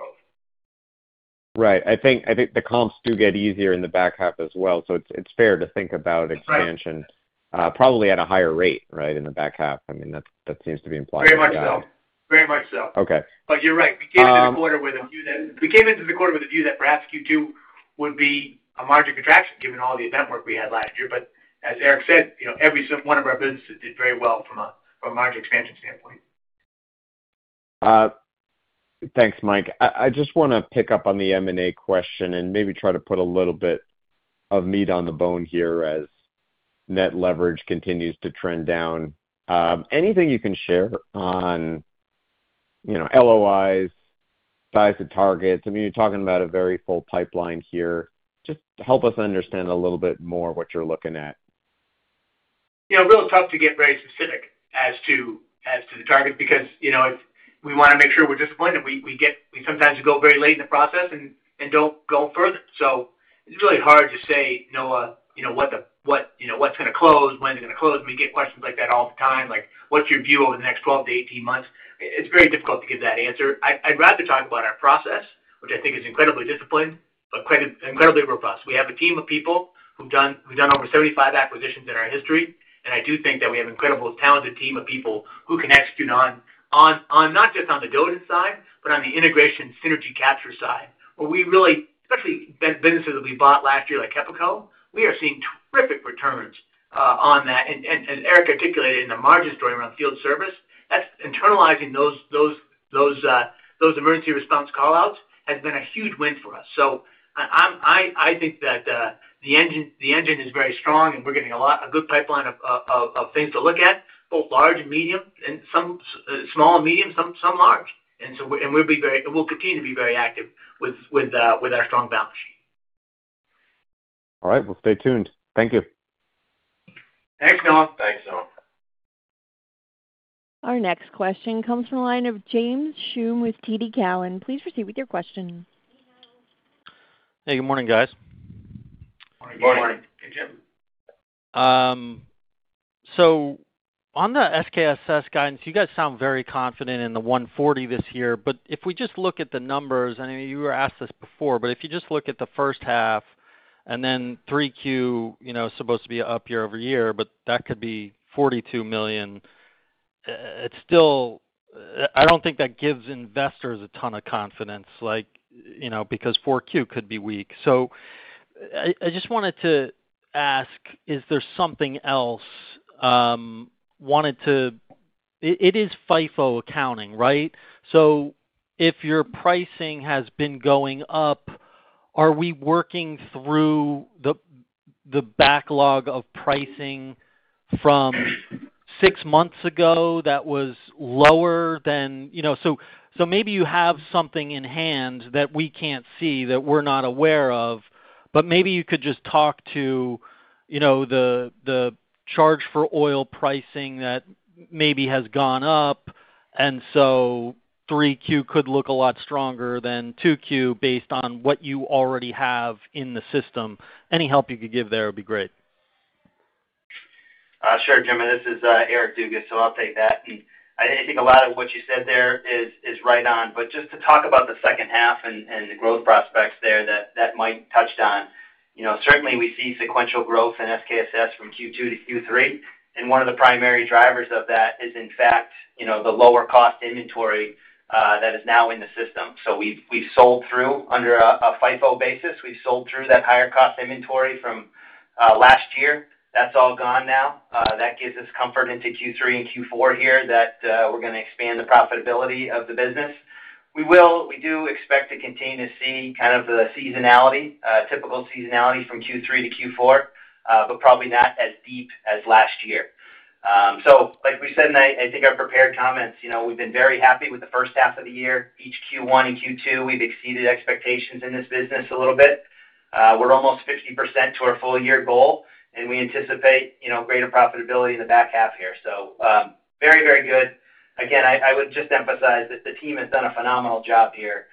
Right. I think the comps do get easier in the back half as well. It's fair to think about expansion probably at a higher rate right in the back half. I mean, that seems to be implied. Very much so. Very much so. Okay. You're right, we came into the quarter with a view that perhaps Q2 would be a margin contraction given all the event work we had last year. But as Eric said, you know, every one of our businesses did very well from a margin expansion standpoint. Thanks, Mike. I just want to pick up on the M&A question and maybe try to put a little bit of meat on the bone here as net leverage continues to trend down. Anything you can share on LOIs, size of targets? You're talking about a very full pipeline here. Just help us understand a little bit more what you're looking at. You know, real tough to get very specific as to the target because, you know, we want to make sure we're disciplined and we sometimes go very late in the process and do not go further. It is really hard to say, you know, what is going to close, when it is going to close. We get questions like that all the time, like what is your view over the next 12-18 months? It is very difficult to give that answer. I would rather talk about our process, which I think is incredibly disciplined but incredibly robust. We have a team of people who have done over 75 acquisitions in our history. I do think that we have an incredible, talented team of people who can execute on, not just on the diligence side, but on the integration, synergy capture side where we really, especially businesses that we bought last year like HEPACO, we are seeing terrific returns on that. Eric articulated in the margin story around field service that internalizing those emergency spill response call outs has been a huge win for us. I think that the engine is very strong and we are getting a good pipeline of things to look at, both large and medium and some small. Some large, and we will continue to be very active with our strong balance sheet. All right, stay tuned. Thank you. Ex North Bank Zone. Our next question comes from the line of James Shum with TD Cowan. Please proceed with your question. Hey, good morning, guys. On the SKSS guidance, you guys sound very confident in the 140 this year. If we just look at the. Numbers, and you were asked this before. If you just look at the first half and then 3Q supposed to be up year over year, but that could be $42 million, I don't think that gives investors a ton of confidence because 4Q could be weak. I just wanted to ask, is there something else? It is FIFO accounting. Right. If your pricing has been going up, are we working through the backlog of pricing from six months ago that was lower than. Maybe you have something in hand that we can't see that we're not aware of, but maybe you could just. Talk to the charge-for-oil pricing. That maybe has gone up and so. 3Q could look a lot stronger than. 2Q based on what you already have in the system. Any help you could give there would be great. Sure. Jim, this is Eric Dugas. I'll take that. I think a lot of what you said there is right on. Just to talk about the second half and the growth prospects there that Mike touched on, you know, certainly we see sequential growth in SKSS from Q2-Q3. One of the primary drivers of that is, in fact, the lower cost inventory that is now in the system. We've sold through under a FIFO. Basis, we've sold through that higher cost. Inventory from last year. That's all gone now. That gives us comfort into Q3 and Q4 here that we're going to expand the profitability of the business. We do expect to continue to see kind of the seasonality, typical seasonality from Q3-Q4, but probably not as last year. Like we said, I think our prepared comments, you know, we've been very happy with the first half of the year each Q1 and Q2, we've exceeded expectations in this business a little bit. We're almost 50% to our full year goal and we anticipate, you know, greater profitability in the back half here. Very, very good. Again, I would just emphasize that the team has done a phenomenal job here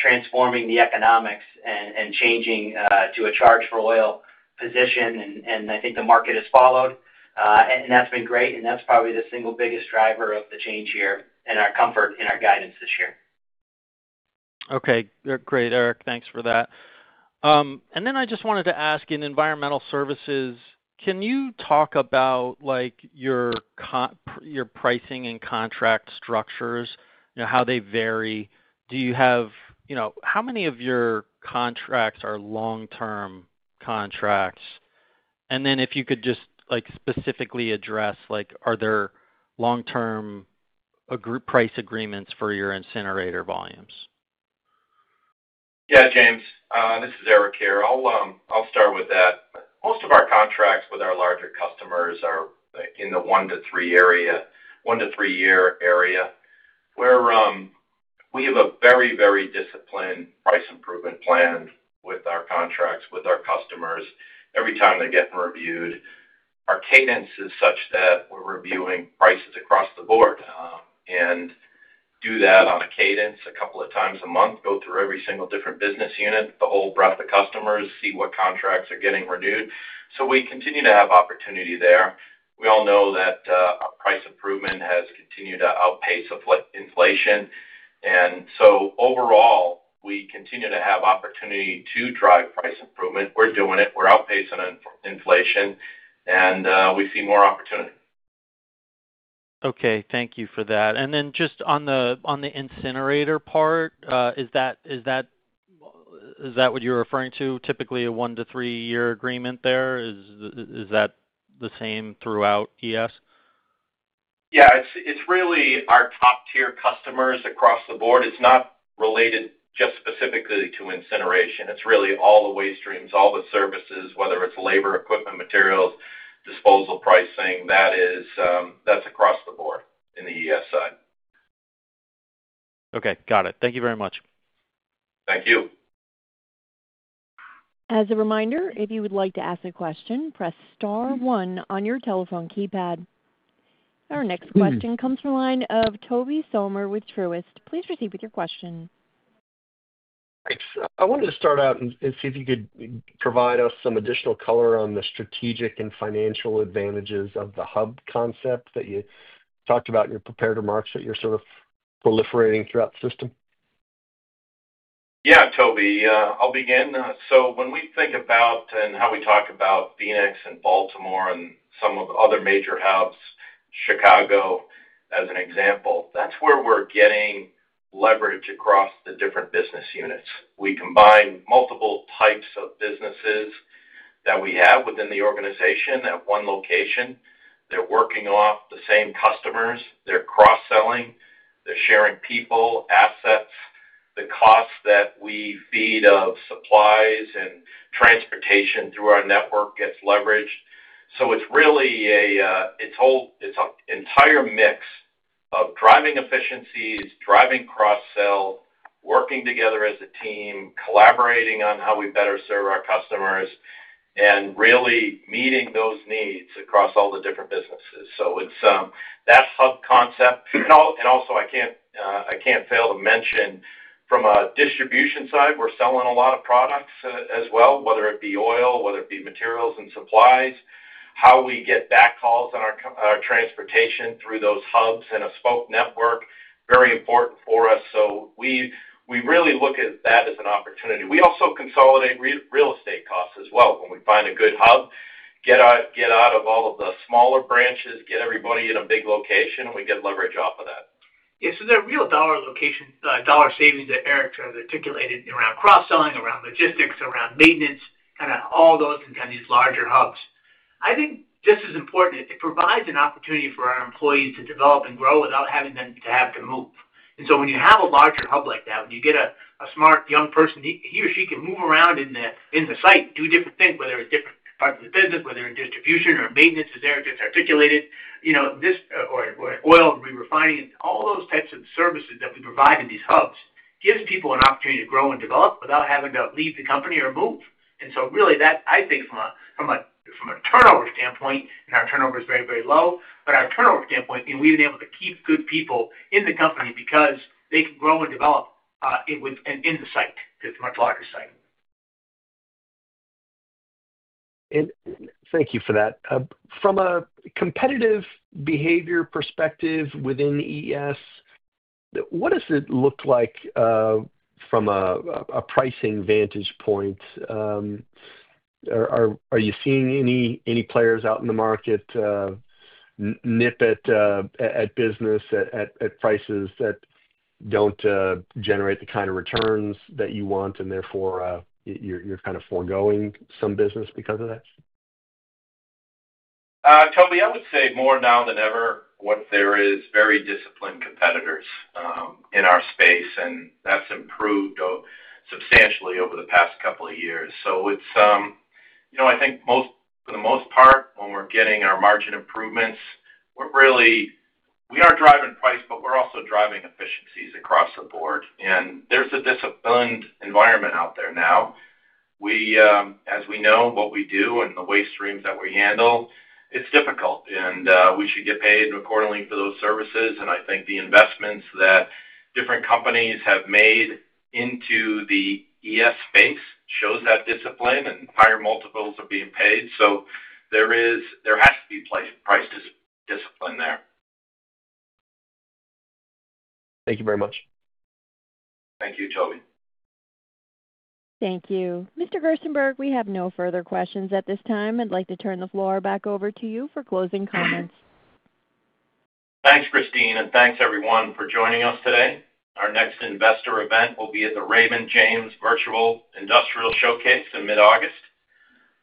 transforming the economics and changing to a Charge-for-oil position. I think the market has followed and that's been great. That's probably the single biggest driver of the change here and our comfort in our guidance this year. Okay, great, Eric, thanks for that. I just wanted to ask. In environmental services, can you talk about like your pricing and contract structures, you know, how they vary? Do you have, you know, how many of your contracts are long term contracts? And then if you could just like specifically address, like are there long term price agreements for your incinerator volumes? Yeah, James, this is Eric here. I'll start with that. Most of our contracts with our larger customers are in the one to three area, one to three year area. We have a very, very disciplined price improvement plan with our contracts with our customers every time they're getting reviewed. Our cadence is such that we're reviewing prices across the board and do that on a cadence a couple of times a month. Go through every single different business unit, the whole breadth of customers, see what contracts are getting renewed. We continue to have opportunity there. We all know that price improvement has continued to outpace inflation. Overall we continue to have opportunity to drive price improvement. We're doing it, we're outpacing inflation and we see more opportunity. Okay, thank you for that. And then just on the incinerator part, is that what you're referring to? Typically a one to three year agreement there is. Is that the same throughout ES? Yeah, it's really our top tier customers across the board. It's not related just specifically to incineration. It's really all the waste streams, all the services, whether it's labor, equipment, materials, disposal, pricing, that's across the board in the ES side. Okay, got it. Thank you very much. Thank you. As a reminder, if you would like to ask a question, press star one on your telephone keypad. Our next question comes from the line of Toby Sommer with Truist. Please proceed with your question. Thanks. I wanted to start out and see if you could provide us some additional color on the strategic and financial advantages of the hub concept that you talked about in your prepared remarks that you're sort of proliferating throughout the system. Yeah, Toby, I'll begin. So when we think about and how we talk about Phoenix and Baltimore and some of the other major hubs, Chicago as an example, that's where we're getting leverage across the different business units. We combine multiple types of businesses that we have within the organization at one location, they're working off the same customers, they're cross selling, they're sharing people, assets, the cost that we feed of supplies and transportation through our network gets leveraged. It's really a, it's an entire mix of driving efficiencies, driving cross sell, working together as a team, collaborating on how we better serve our customers and really meeting those needs across all the different businesses. It's that hub concept and also I can't fail to mention from a distribution side, we're selling a lot of products as well, whether it be oil, whether it be materials and supplies, how we get backhauls on our transportation through those hubs and a spoke network, very important for us. We really look at that as an opportunity. We also consolidate real estate costs as well. When we find a good hub, get out of all of the smaller branches, get everybody in a big location and we get leverage off of that. Yes, the real dollar location, dollar savings that Eric has articulated around cross selling, around logistics, around maintenance, kind of all those in kind of these larger hubs, I think just as important, it provides an opportunity for our employees to develop and grow without having them to have to move. When you have a larger hub like that, when you get a smart young person, he or she can move around in the site, do different things, whether it is different parts of the business, whether in distribution or maintenance, as Eric just articulated, you know, this or oil re-refining, all those types of services that we provide in these hubs gives people an opportunity to grow and develop without having to leave the company or move. Really that I think from a turnover standpoint, and our turnover is very, very low. From our turnover standpoint, we have been able to keep good people in the company because they can grow and develop in the site. Much larger site. Thank you for that. From a competitive behavior perspective within ES, what does it look like from a pricing vantage point? Are you seeing any players out in? The market nip it at business at prices that do not generate the kind of returns that you want and therefore you are kind of foregoing some business because of that. Toby, I would say more now than ever. What there is very disciplined competitors in our space and that has improved substantially over the past couple of years. It is, you know, I think for the most part when we are getting our margin improvements, we are really, we are driving price, but we are also driving efficiencies across the board and there is a disciplined environment out there now. We, as we know what we do and the waste streams that we handle, it is difficult and we should get paid accordingly for those services. I think the investments that different companies have made into the ES space shows that discipline and higher multiples are being paid. There has to be price discipline there. Thank you very much. Thank you, Toby. Thank you, Mr. Gerstenberg. We have no further questions at this time. I'd like to turn the floor back over to you for closing comments. Thanks Christine and thanks everyone for joining us today. Our next investor event will be at the Raymond James Virtual Industrial Showcase in mid August,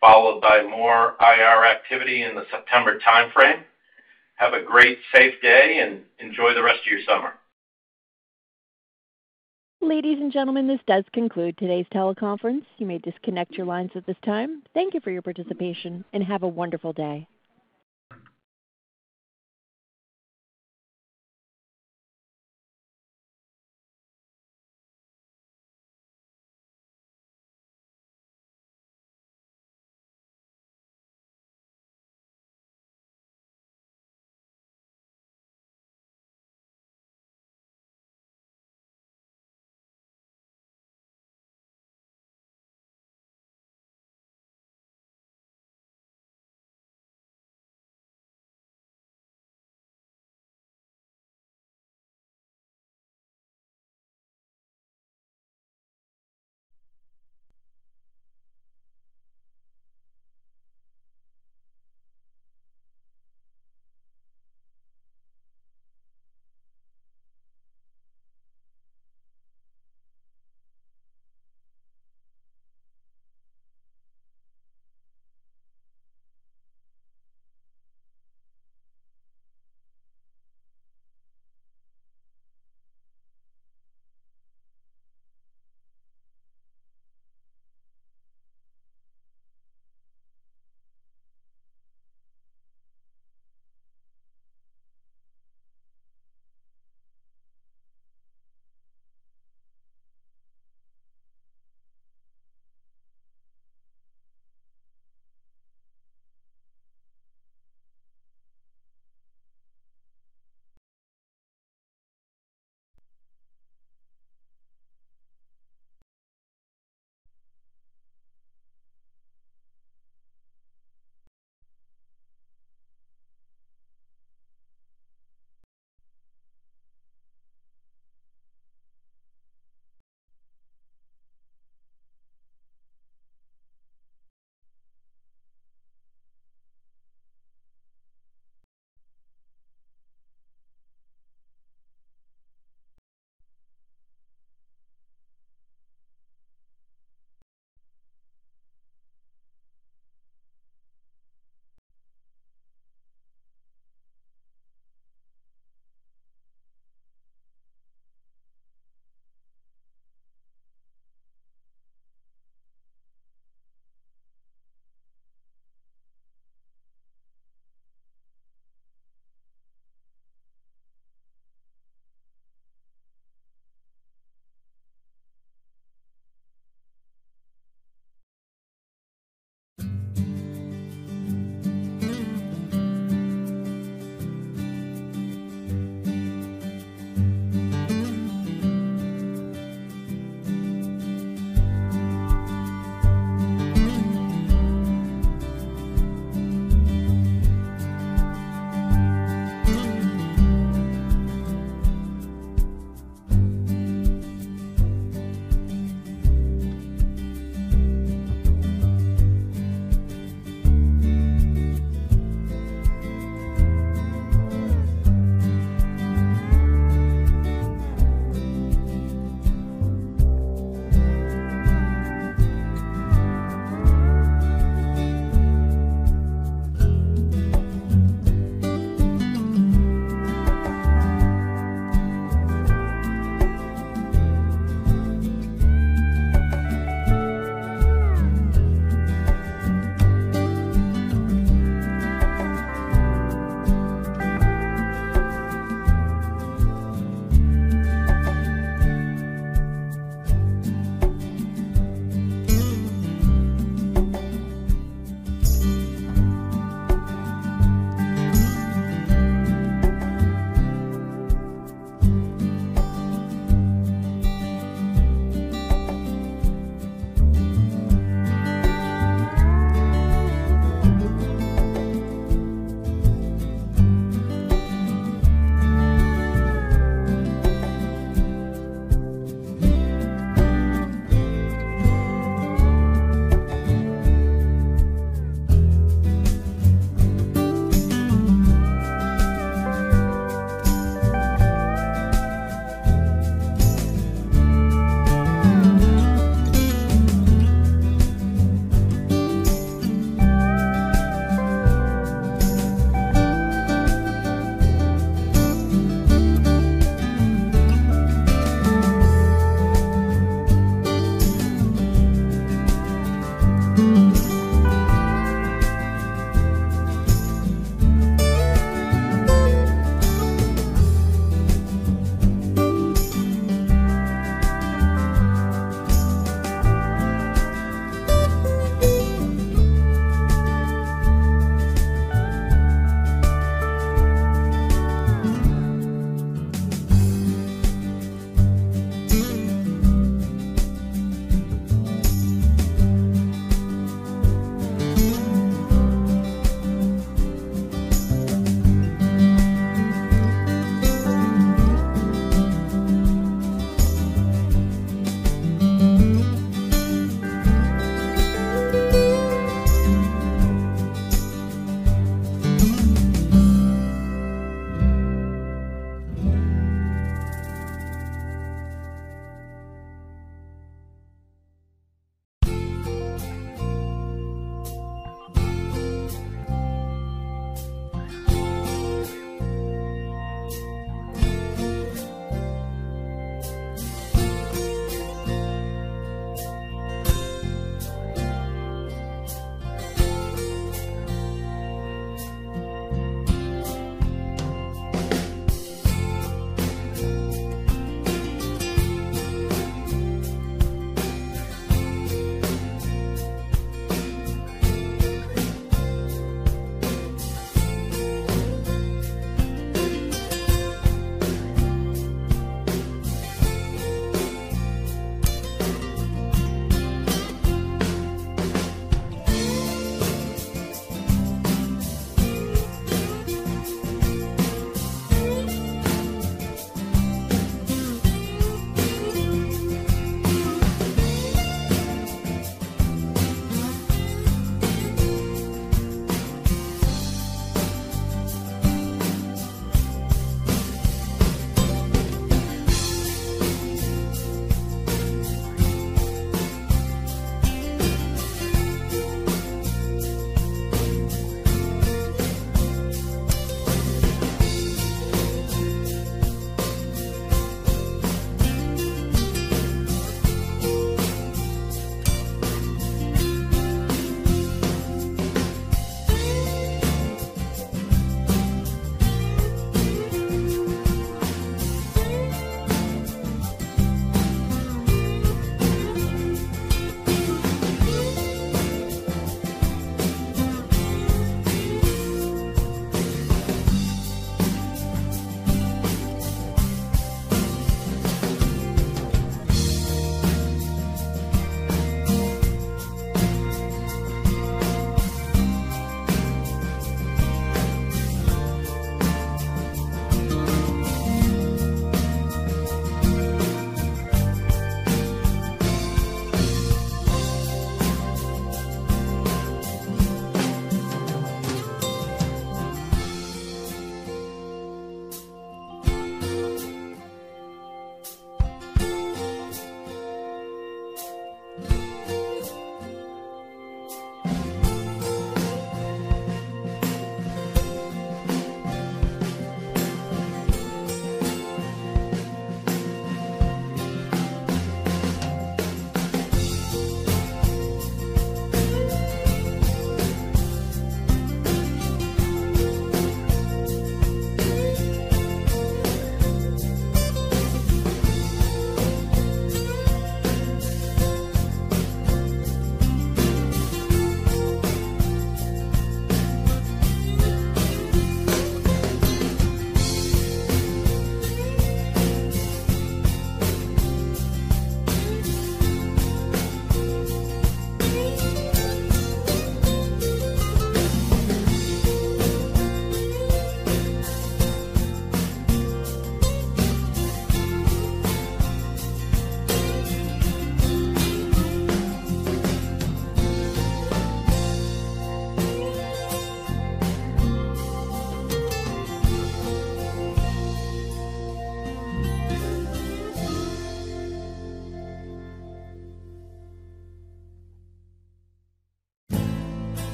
followed by more IR activity in the September time frame. Have a great safe day and enjoy the rest of your summer. Ladies and gentlemen, this does conclude today's teleconference. You may disconnect your lines at this time. Thank you for your participation and have a wonderful day.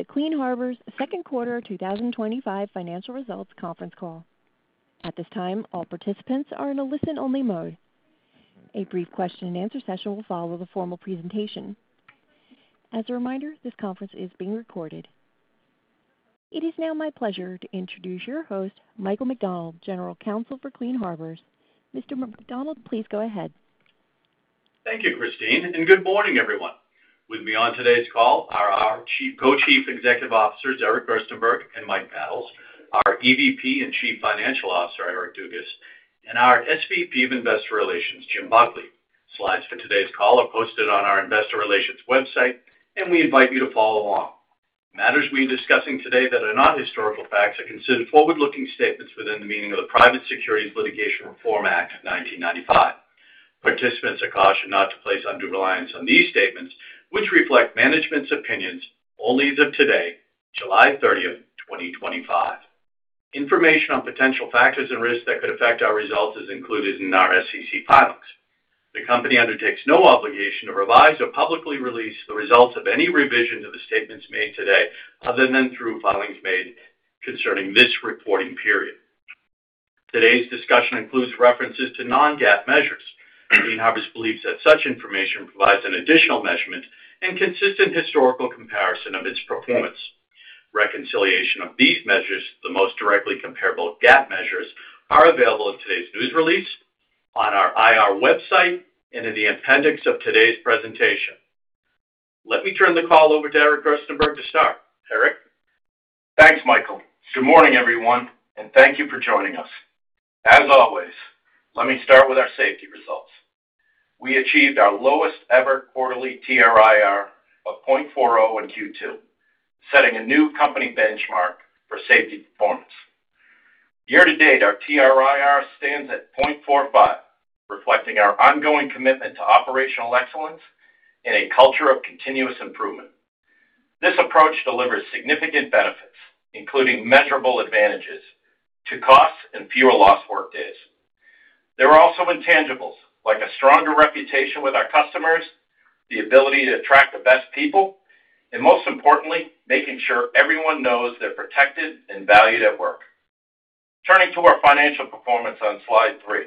Sa it sa. Sa. Sam sa. Greetings and welcome to the Clean Harbors second quarter 2025 financial results conference call. At this time all participants are in a listen only mode. A brief question and answer session will follow the formal presentation. As a reminder, this conference is being recorded. It is now my pleasure to introduce your host, Michael McDonald, General Counsel for Clean Harbors. Mr. McDonald, please go ahead. Thank you, Christine, and good morning, everyone. With me on today's call are our Co-Chief Executive Officer Eric Gerstenberg, Mike Battles, our EVP and Chief Financial Officer Eric Dugas, and our SVP of Investor Relations Jim Buckley. Slides for today's call are posted on our Investor Relations website and we invite you to follow along. Matters we are discussing today that are not historical facts are considered forward-looking statements within the meaning of the Private Securities Litigation Reform Act of 1995. Participants are cautioned not to place undue reliance on these statements, which reflect management's opinions only as of today, July 30, 2025. Information on potential factors and risks that could affect our results is included in our SEC filings. The company undertakes no obligation to revise or publicly release the results of any revision to the statements made today other than through filings made concerning this reporting period. Today's discussion includes references to non-GAAP measures. Clean Harbors believes that such information provides an additional measurement and consistent historical comparison of its performance. Reconciliation of these measures to the most directly comparable GAAP measures are available in today's news release on our IR website and in the appendix of today's presentation. Let me turn the call over to. Eric Gerstenberg to start. Eric, thanks Michael. Good morning everyone and thank you for joining us. As always, let me start with our safety results. We achieved our lowest ever quarterly TRIR of 0.40 in Q2, setting a new company benchmark for safety performance. Year to date, our TRIR stands at 0.45, reflecting our ongoing commitment to operational excellence and a culture of continuous improvement. This approach delivers significant benefits, including measurable advantages to costs and fewer lost work days. There are also intangibles like a stronger reputation with our customers, the ability to attract the best people, and most importantly, making sure everyone knows they're protected and valued at work. Turning to our financial performance on slide three,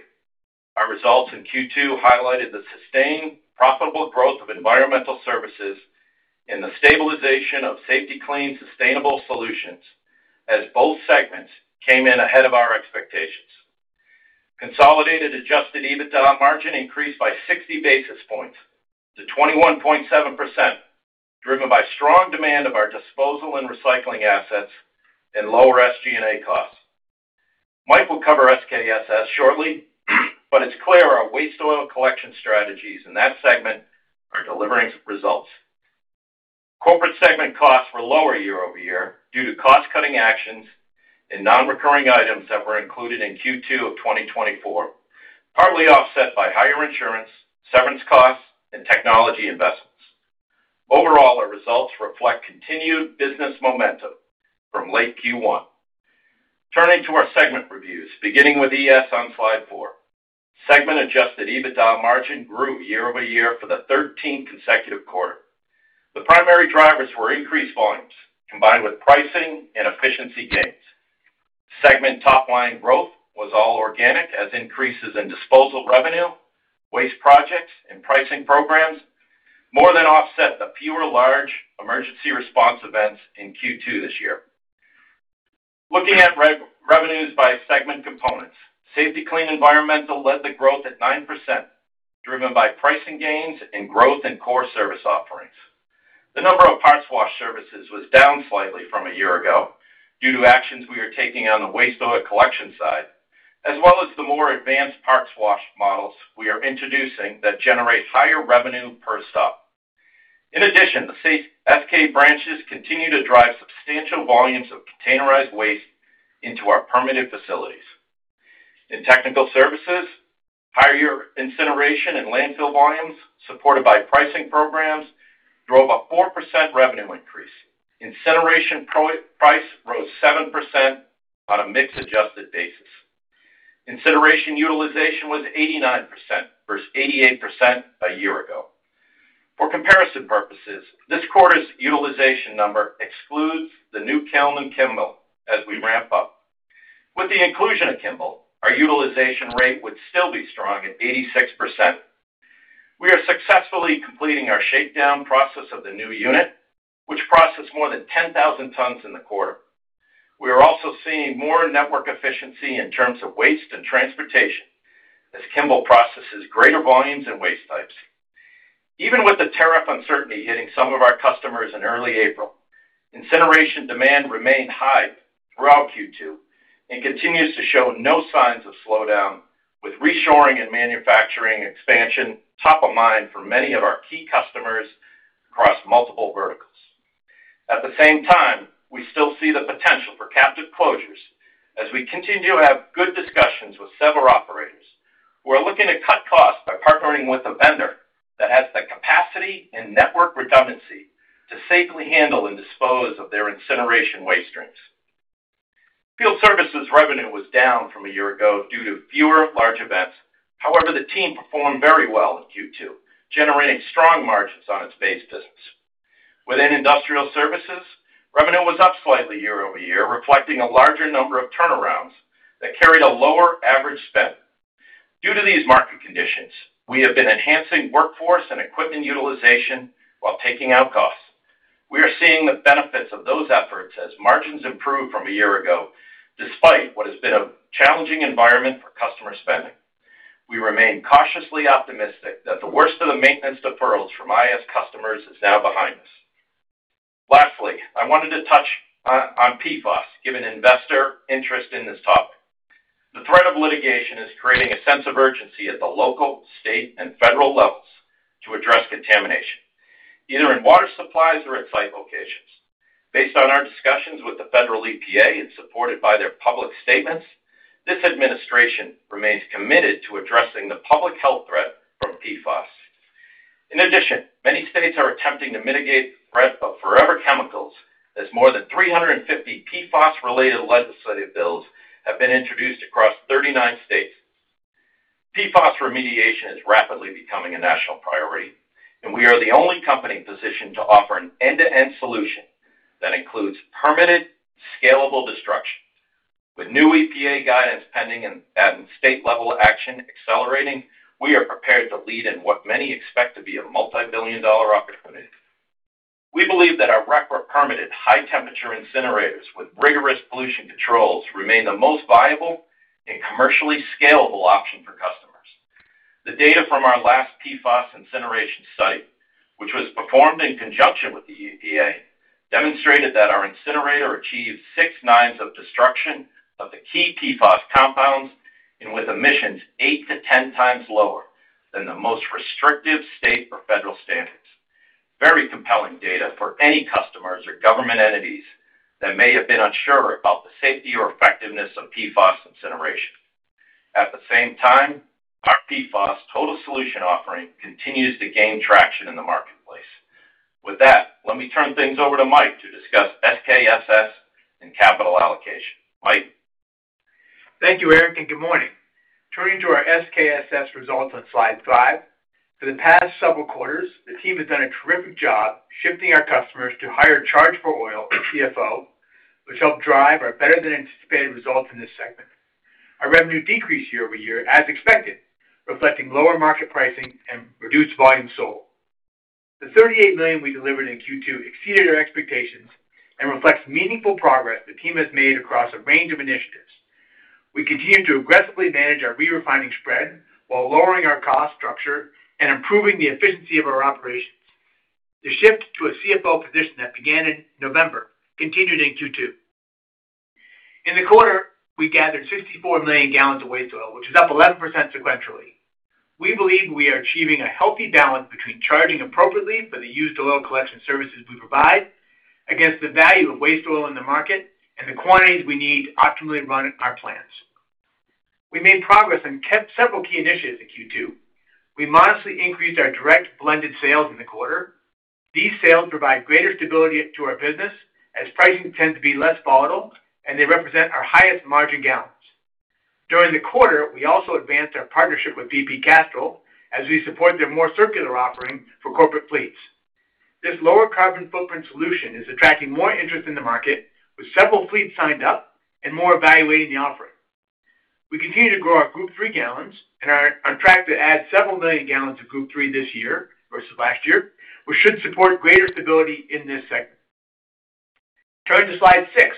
our results in Q2 highlighted the sustained profitable growth of environmental services and the stabilization of Safety-Kleen sustainable solutions. As both segments came in ahead of our expectations, consolidated adjusted EBITDA margin increased by 60 basis points to 21.7% driven by strong demand of our disposal and recycling assets and lower SGA costs. Mike will cover SKSS shortly, but it's clear our waste oil collection strategies in that segment are delivering results. Corporate segment costs were lower year over year due to cost cutting actions and non-recurring items that were included in Q2 of 2024, partly offset by higher insurance, severance costs, and technology investments. Overall, our results reflect continued business momentum from late Q1. Turning to our segment reviews, beginning with ES on slide four, segment adjusted EBITDA margin grew year over year for the 13th consecutive quarter. The primary drivers were increased volumes combined with pricing and efficiency gains. Segment top line growth was all organic as increases in disposal revenue, waste projects, and pricing programs more than offset the fewer large emergency response events in Q2 this year. Looking at revenues by segment components, Safety-Kleen Environmental led the growth at 9% driven by pricing gains and growth in core service offerings. The number of parts washer services was down slightly from a year ago due to actions we are taking on the waste oil collection side as well as the more advanced parts washer models we are introducing that generate higher revenue per stop. In addition, the Safe-Kleen branches continue to drive substantial volumes of containerized waste into our permitted facilities. In technical services, higher year incineration and landfill volumes supported by pricing programs drove a 4% revenue increase. Incineration price rose 7%. On a mix adjusted basis, incineration utilization was 89% versus 88% a year ago. For comparison purposes, this quarter's utilization number excludes the new kiln and Kimball. As we ramp up with the inclusion of Kimball, our utilization rate would still be strong at 86%. We are successfully completing our shakedown process of the new unit which processed more than 10,000 tons in the quarter. We are also seeing more network efficiency in terms of waste and transportation as Kimball processes greater volumes and waste types. Even with the tariff uncertainty hitting some of our customers in early April, incineration demand remained high throughout Q2 and continues to show no signs of slowdown with reshoring and manufacturing expansion top of mind for many of our key customers across multiple verticals. At the same time, we still see the potential for captive closures as we continue to have good discussions with several operators who are looking to cut costs by partnering with a vendor that has the capacity and network redundancy to safely handle and dispose of their incineration waste streams. Field services revenue was down from a year ago due to fewer large events. However, the team performed very well in Q2, generating strong margins on its base business. Within industrial services, revenue was up slightly year over year, reflecting a larger number of turnarounds that carried a lower average spend. Due to these market conditions, we have been enhancing workforce and equipment utilization while taking out costs. We are seeing the benefits of those efforts as margins improve from a year ago. Despite what has been a challenging environment for customer spending, we remain cautiously optimistic that the worst of the maintenance deferrals from IAS customers is now behind us. Lastly, I wanted to touch on PFAS given investor interest in this topic. The threat of litigation is creating a sense of urgency at the local, state and federal levels to address contamination either in water supplies or at site locations. Based on our discussions with the federal EPA and supported by their public statements, this Administration remains committed to addressing the public health threat from PFAS. In addition, many states are attempting to mitigate the threat of forever chemicals as more than 350 PFAS-related legislative bills have been introduced across 39 states. PFAS remediation is rapidly becoming a national priority and we are the only company positioned to offer an end-to-end solution that includes permitted scalable destruction. With new EPA guidance pending and state-level action accelerating, we are prepared to lead in what many expect to be a multibillion dollar opportunity. We believe that our permitted high temperature incinerators with rigorous pollution controls remain the most viable and commercially scalable option for customers. The data from our last PFAS incineration study, which was performed in conjunction with the EPA, demonstrated that our incinerator achieved six nines of destruction of the key PFAS compounds and with emissions 8-10 times lower than the most restrictive state or federal standards. Very compelling data for any customers or government entities that may have been unsure about the safety or effectiveness of PFAS incineration. At the same time, our PFAS Total Solution offering continues to gain traction in the marketplace. With that, let me turn things over to Mike to discuss SKSS and capital allocation. Mike, thank you, Eric, and good morning. Turning to our SKSS results on slide 5, for the past several quarters the team has done a terrific job shifting our customers to higher charge-for-oil and CFO, which helped drive our better than anticipated results in this segment. Our revenue decreased year over year as expected, reflecting lower market pricing and reduced volumes sold. The $38 million we delivered in Q2 exceeded our expectations and reflects meaningful progress the team has made across a range of initiatives. We continue to aggressively manage our re-refining spread while lowering our cost structure and improving the efficiency of our operations. The shift to a CFO position that began in November continued in Q2. In the quarter, we gathered 64 million gallons of waste oil, which is up 11% sequentially. We believe we are achieving a healthy balance between charging appropriately for the used oil collection services we provide against the value of waste oil in the market and the quantities we need to optimally run our plants. We made progress on several key initiatives in Q2. We modestly increased our direct blended sales in the quarter. These sales provide greater stability to our business as pricing tends to be less volatile and they represent our highest margin gallons. During the quarter, we also advanced our partnership with BP Castrol as we support their more circular offering for corporate fleets. This lower carbon footprint solution is attracting more interest in the market, with several fleets signed up and more evaluating the offering. We continue to grow our Group 3 gallons and are on track to add several million gallons of Group 3 this year versus last year, which should support greater stability in this segment. Turning to slide 6,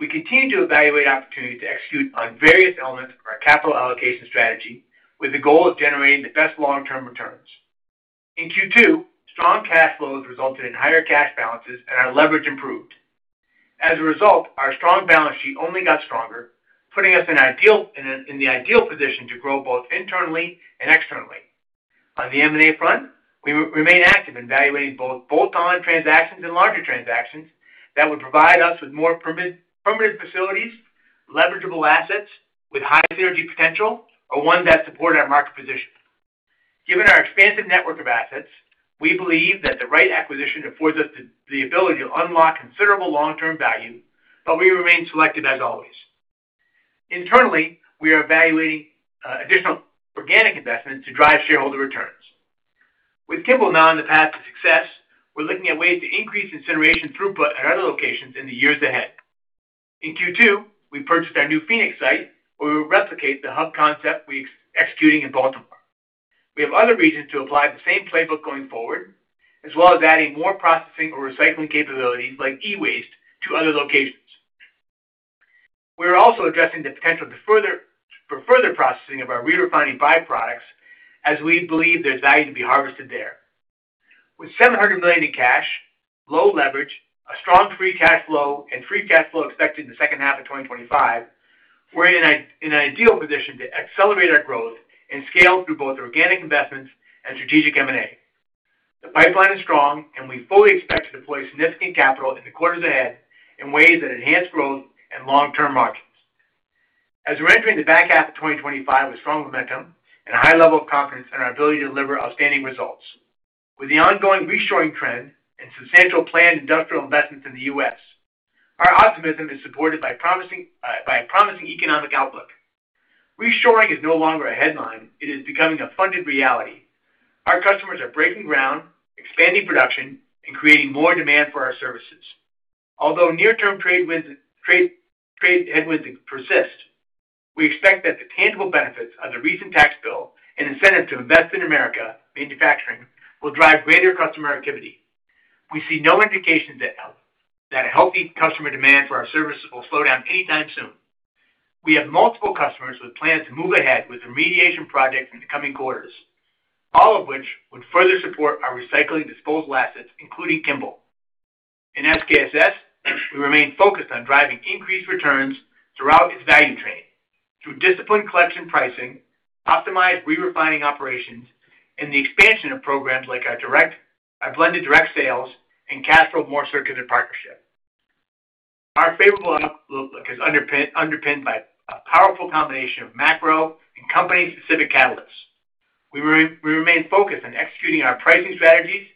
we continue to evaluate opportunity to execute on various elements of our capital allocation strategy with the goal of generating the best long-term returns. In Q2, strong cash flows resulted in higher cash balances and our leverage improved. As a result, our strong balance sheet only got stronger, putting us in the ideal position to grow both internally and externally. On the M&A front, we remain active in evaluating both bolt-on transactions and larger transactions that would provide us with more permanent facilities, leverageable assets with high synergy potential, or ones that support our market position. Given our expansive network of assets, we believe that the right acquisition affords us the ability to unlock considerable long term value, but we remain selective as always. Internally we are evaluating additional organic investments to drive shareholder returns. With Kimball now on the path to success, we're looking at ways to increase incineration throughput at other locations in the years ahead. In Q2, we purchased our new Phoenix site where we will replicate the hub concept we are executing in Baltimore. We have other reasons to apply the same playbook going forward. As well as adding more processing or recycling capabilities like e-waste to other locations, we are also addressing the potential for further processing of our re-refining byproducts as we believe there's value to be harvested there. With $700 million in cash, low leverage, a strong free cash flow and free cash flow expected in the second half of 2025, we're in an ideal position to accelerate our growth and scale through both organic investments and strategic M and A. The pipeline is strong and we fully expect to deploy significant capital in the quarters ahead in ways that enhance growth and long term margins as we're entering the back half of 2025 with strong momentum and a high level of confidence in our ability to deliver outstanding results. With the ongoing reshoring trend and substantial planned industrial investments in the U.S., our optimism is supported by a promising economic outlook. Reshoring is no longer a headline, it is becoming a funded reality. Our customers are breaking ground, expanding production and creating more demand for our services. Although near term trade headwinds persist, we expect that the tangible benefits of the recent tax bill and incentive to invest in American manufacturing will drive greater customer activity. We see no indication that a healthy customer demand for our services will slow down anytime soon. We have multiple customers with plans to move ahead with remediation projects in the coming quarters, all of which would further support our recycling disposal assets, including Kimball. In SKSS, we remain focused on driving increased returns throughout its value train through disciplined collection pricing, optimized re-refining operations and the expansion of programs like our blended direct sales and Castrol more circular partnership. Our favorable outlook is underpinned by a powerful combination of macro and company specific catalysts. We remain focused on executing our pricing strategies,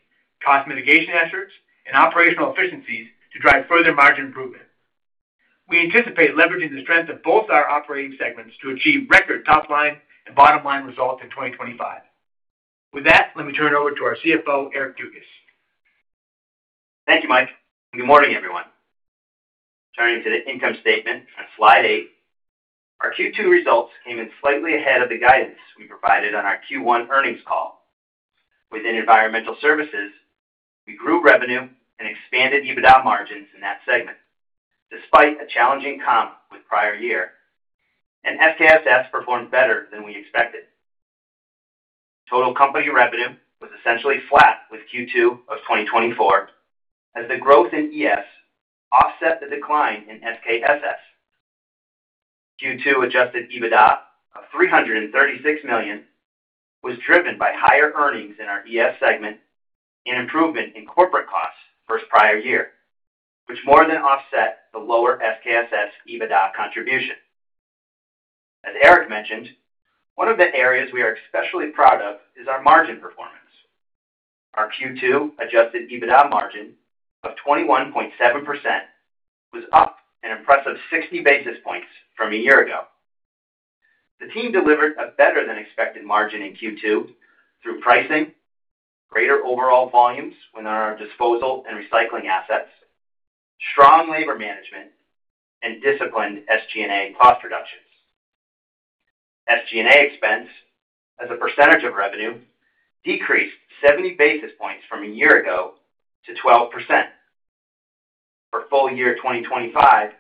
cost mitigation efforts and operational efficiencies to drive further margin improvement. We anticipate leveraging the strength of both our operating segments to achieve record top line and bottom line results in 2025. With that, let me turn it over to our CFO Eric Dugas. Thank you Mike. Good morning everyone. Turning to the income statement on slide 8, our Q2 results came in slightly ahead of the guidance we provided on our Q1 earnings call. Within Environmental Services, we grew revenue and expanded EBITDA margins in that segment despite a challenging comp with prior year and SKSS performed better than we expected. Total company revenue was essentially flat with Q2 of 2024 as the growth in ES offset the decline in SKSS. Q2 adjusted EBITDA of $336 million was driven by higher earnings in our ES segment and improvement in corporate costs versus prior year which more than offset the lower SKSS EBITDA contribution. As Eric mentioned, one of the areas we are especially proud of is our margin performance. Our Q2 adjusted EBITDA margin of 21.7% was up an impressive 60 basis points from a year ago. The team delivered a better than expected margin in Q2 through pricing, greater overall volumes within our disposal and recycling assets, strong labor management and disciplined SG&A cost reductions. SG&A expense as a percentage of revenue decreased 70 basis points from a year ago to 12%. For full year 2025,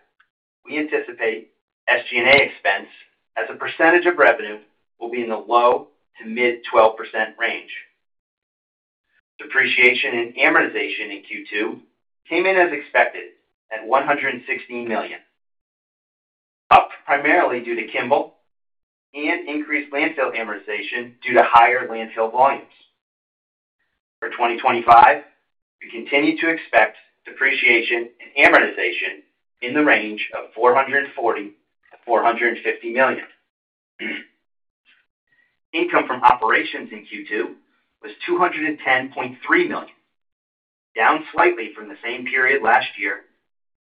we anticipate SG&A expense as a percentage of revenue will be in the low to mid 12% range. Depreciation and amortization in Q2 came in as expected at $116 million, up primarily due to Kimball and increased landfill amortization due to higher landfill volumes. For 2025, we continue to expect depreciation and amortization in the range of $440-$450 million. Income from operations in Q2 was $210.3 million, down slightly from the same period last year,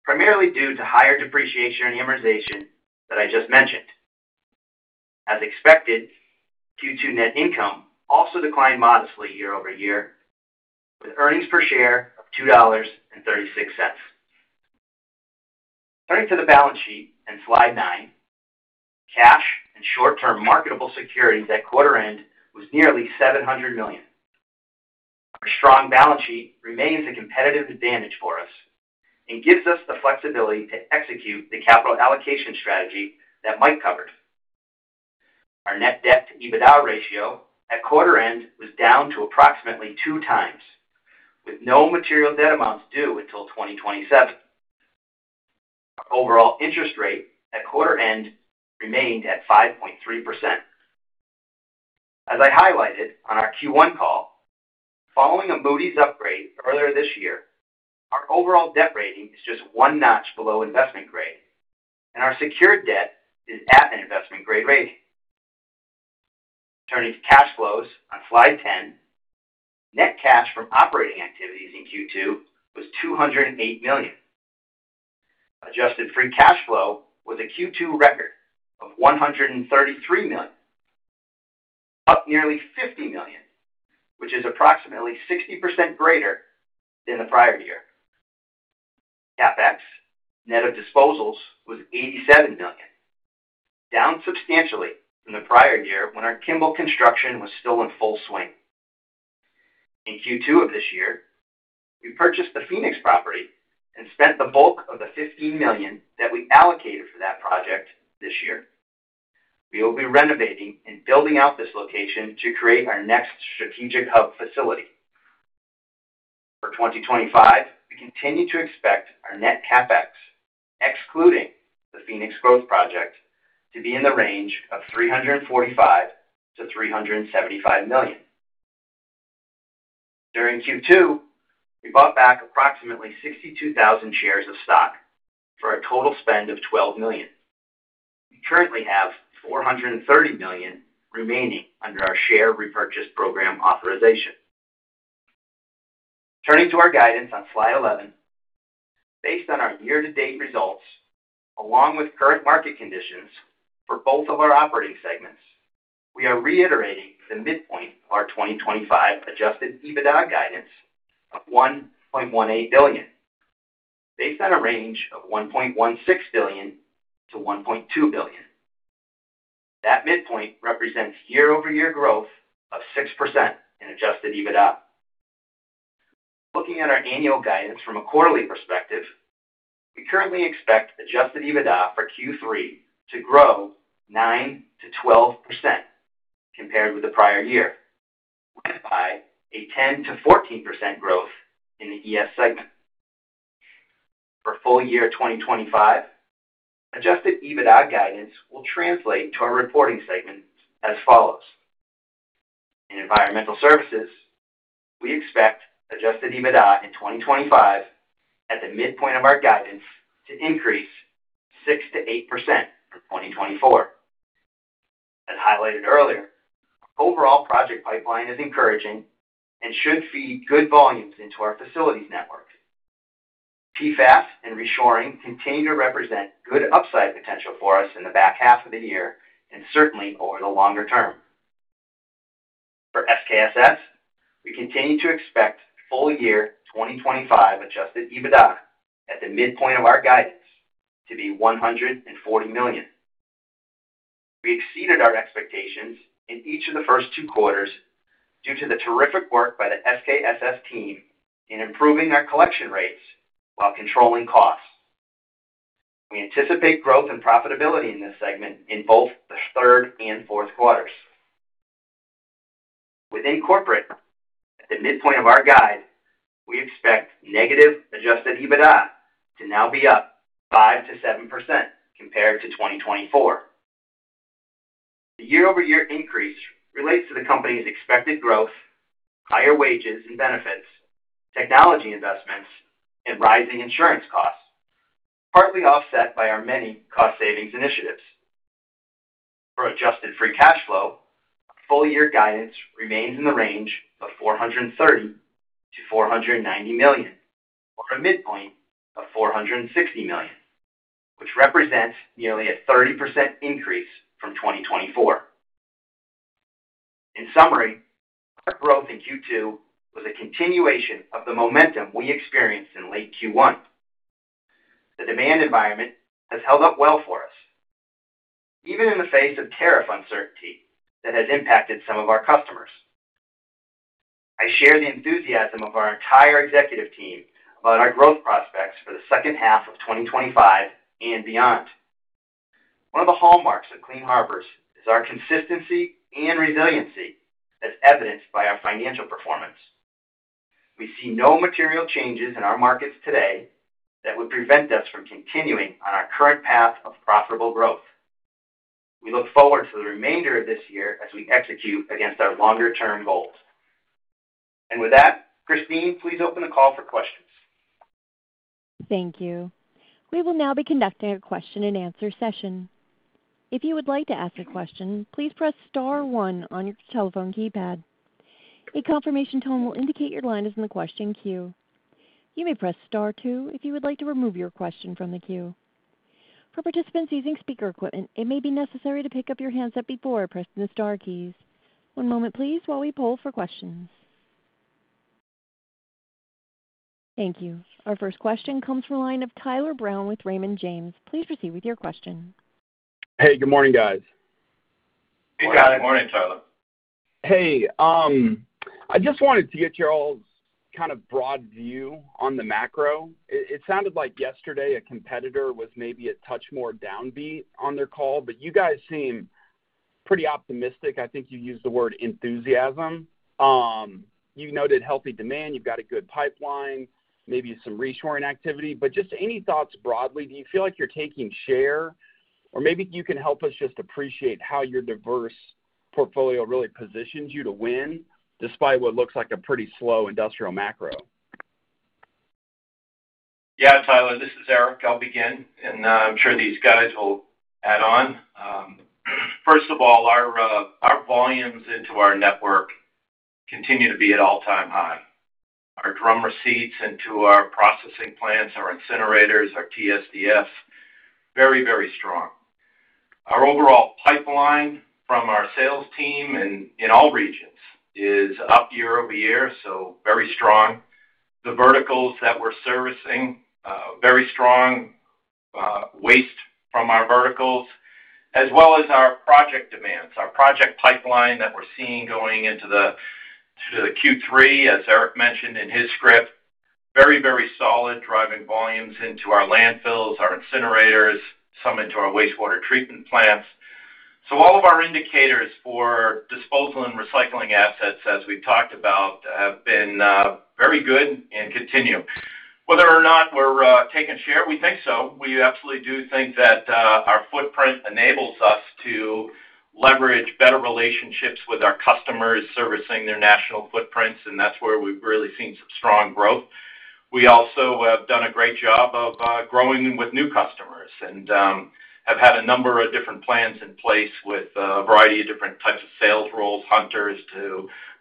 primarily due to higher depreciation and amortization that I just mentioned. As expected, Q2 net income also declined modestly year over year with earnings per share of $2.36. Turning to the balance sheet and slide 9, cash and short term marketable securities at quarter end was nearly $700 million. Our strong balance sheet remains a competitive advantage for us and gives us the flexibility to execute the capital allocation strategy that Mike covered. Our net debt to EBITDA ratio at quarter end was down to approximately two times with no material debt amounts due until 2027. Our overall interest rate at quarter end remained at 5.3%. As I highlighted on our Q1 call following a Moody’s upgrade earlier this year, our overall debt rating is just one notch below investment grade and our secured debt is at an investment grade rating. Turning to cash flows on Slide 10, net cash from operating activities in Q2 was $208 million. Adjusted free cash flow with a Q2 record of $133 million, up nearly $50 million, which is approximately 60% greater than the prior year. CapEx net of disposals was $87 million, down substantially from the prior year when our Kimball construction was still in full swing. In Q2 of this year we purchased the Phoenix property and spent the bulk of the $15 million that we allocated for that project. This year we will be renovating and building out this location to create our next strategic hub facility for 2025. We continue to expect our net CapEx, excluding the Phoenix growth project, to be in the range of $345-$375 million. During Q2, we bought back approximately 62,000 shares of stock for a total spend of $12 million. We currently have $430 million remaining under our Share Repurchase Program authorization. Turning to our guidance on Slide 11, based on our year to date results along with current market conditions for both of our operating segments, we are reiterating the midpoint of our 2025 adjusted EBITDA guidance of $1.18 billion based on a range of $1.16 billion-$1.2 billion. That midpoint represents year over year growth of 6% in adjusted EBITDA. Looking at our annual guidance from a quarterly perspective, we currently expect adjusted EBITDA for Q3 to grow 9-12% compared with the prior year, led by a 10-14% growth in the ES segment. For full year 2025, adjusted EBITDA guidance will translate to our reporting segment as follows. In Environmental Services, we expect adjusted EBITDA in 2025 at the midpoint of our guidance to increase 6-8% for 2024. As highlighted earlier, overall project pipeline is encouraging and should feed good volumes into our facilities network. PFAS and reshoring continue to represent good upside potential for us in the back half of the year and certainly over the longer term. For SKSS, we continue to expect full year 2025 adjusted EBITDA at the midpoint of our guidance to be $140 million. We exceeded our expectations in each of the first two quarters due to the terrific work by the SKSS team in improving our collection rates while controlling costs. We anticipate growth and profitability in this segment in both the third and fourth quarters. Within corporate at the midpoint of our guide, we expect negative adjusted EBITDA to now be up 5%-7% compared to 2024. The year-over-year increase relates to the company's expected growth, higher wages and benefits, technology investments and rising insurance costs, partly offset by our many cost savings initiatives. For adjusted free cash flow, full year guidance remains in the range of $430 million-$490 million or a midpoint of $460 million, which represents nearly a 30% increase from 2024. In summary, our growth in Q2 was a continuation of the momentum we experienced in late Q1. The demand environment has held up well for us even in the face of tariff uncertainty that has impacted some of our customers. I share the enthusiasm of our entire executive team about our growth prospects for the second half of 2025 and beyond. One of the hallmarks of Clean Harbors is our consistency and resiliency as evidenced. By our financial performance. We see no material changes in our markets today that would prevent us from continuing on our current path of profitable growth. We look forward to the remainder of this year as we execute against our longer term goals. Christine, please open the call for questions. Thank you. We will now be conducting a question and answer session. If you would like to ask a question, please press star one on your telephone keypad. A confirmation tone will indicate your line is in the question queue. You may press star two if you would like to remove your question from the queue. For participants using speaker equipment, it may be necessary to pick up your handset before pressing the star keys. One moment please, while we pull for questions. Thank you. Our first question comes from the line of Tyler Brown with Raymond James. Please proceed with your question. Hey, good morning, guys. Good morning, Tyler. Hey, I just wanted to get your all's kind of broad view on the macro. It sounded like yesterday a competitor was maybe a touch more downbeat on their call, but you guys seem pretty optimistic. I think you used the word enthusiasm. You noted healthy demand. You've got a good pipeline, maybe some reshoring activity, but just any thoughts broadly? Do you feel like you're taking share? Or maybe you can help us just appreciate how your diverse portfolio really positions you to win despite what looks like a pretty slow industrial macro. Yeah, Tyler, this is Eric. I'll begin. I'm sure these guys will. First. Of all, our volumes into our network continue to be at all-time high. Our drum receipts into our processing plants, our incinerators, our TSDFs, very, very strong. Our overall pipeline from our sales team in all regions is up year over year. Very strong the verticals that we're servicing, very strong waste from our verticals as well as our project demands. Our project pipeline that we're seeing going into the Q3, as Eric mentioned in his script, very, very solid. Driving volumes into our landfills, our incinerators, some into our wastewater treatment plants. All of our indicators for disposal and recycling assets as we talked about have been very good and continue whether or not we're taking share. We think so. We absolutely do think that our footprint enables us to leverage better relationships with our customers, servicing their national footprints and that's where we've really seen some strong growth. We also have done a great job of growing with new customers and have had a number of different plans in place with a variety of different types of sales roles. Hunters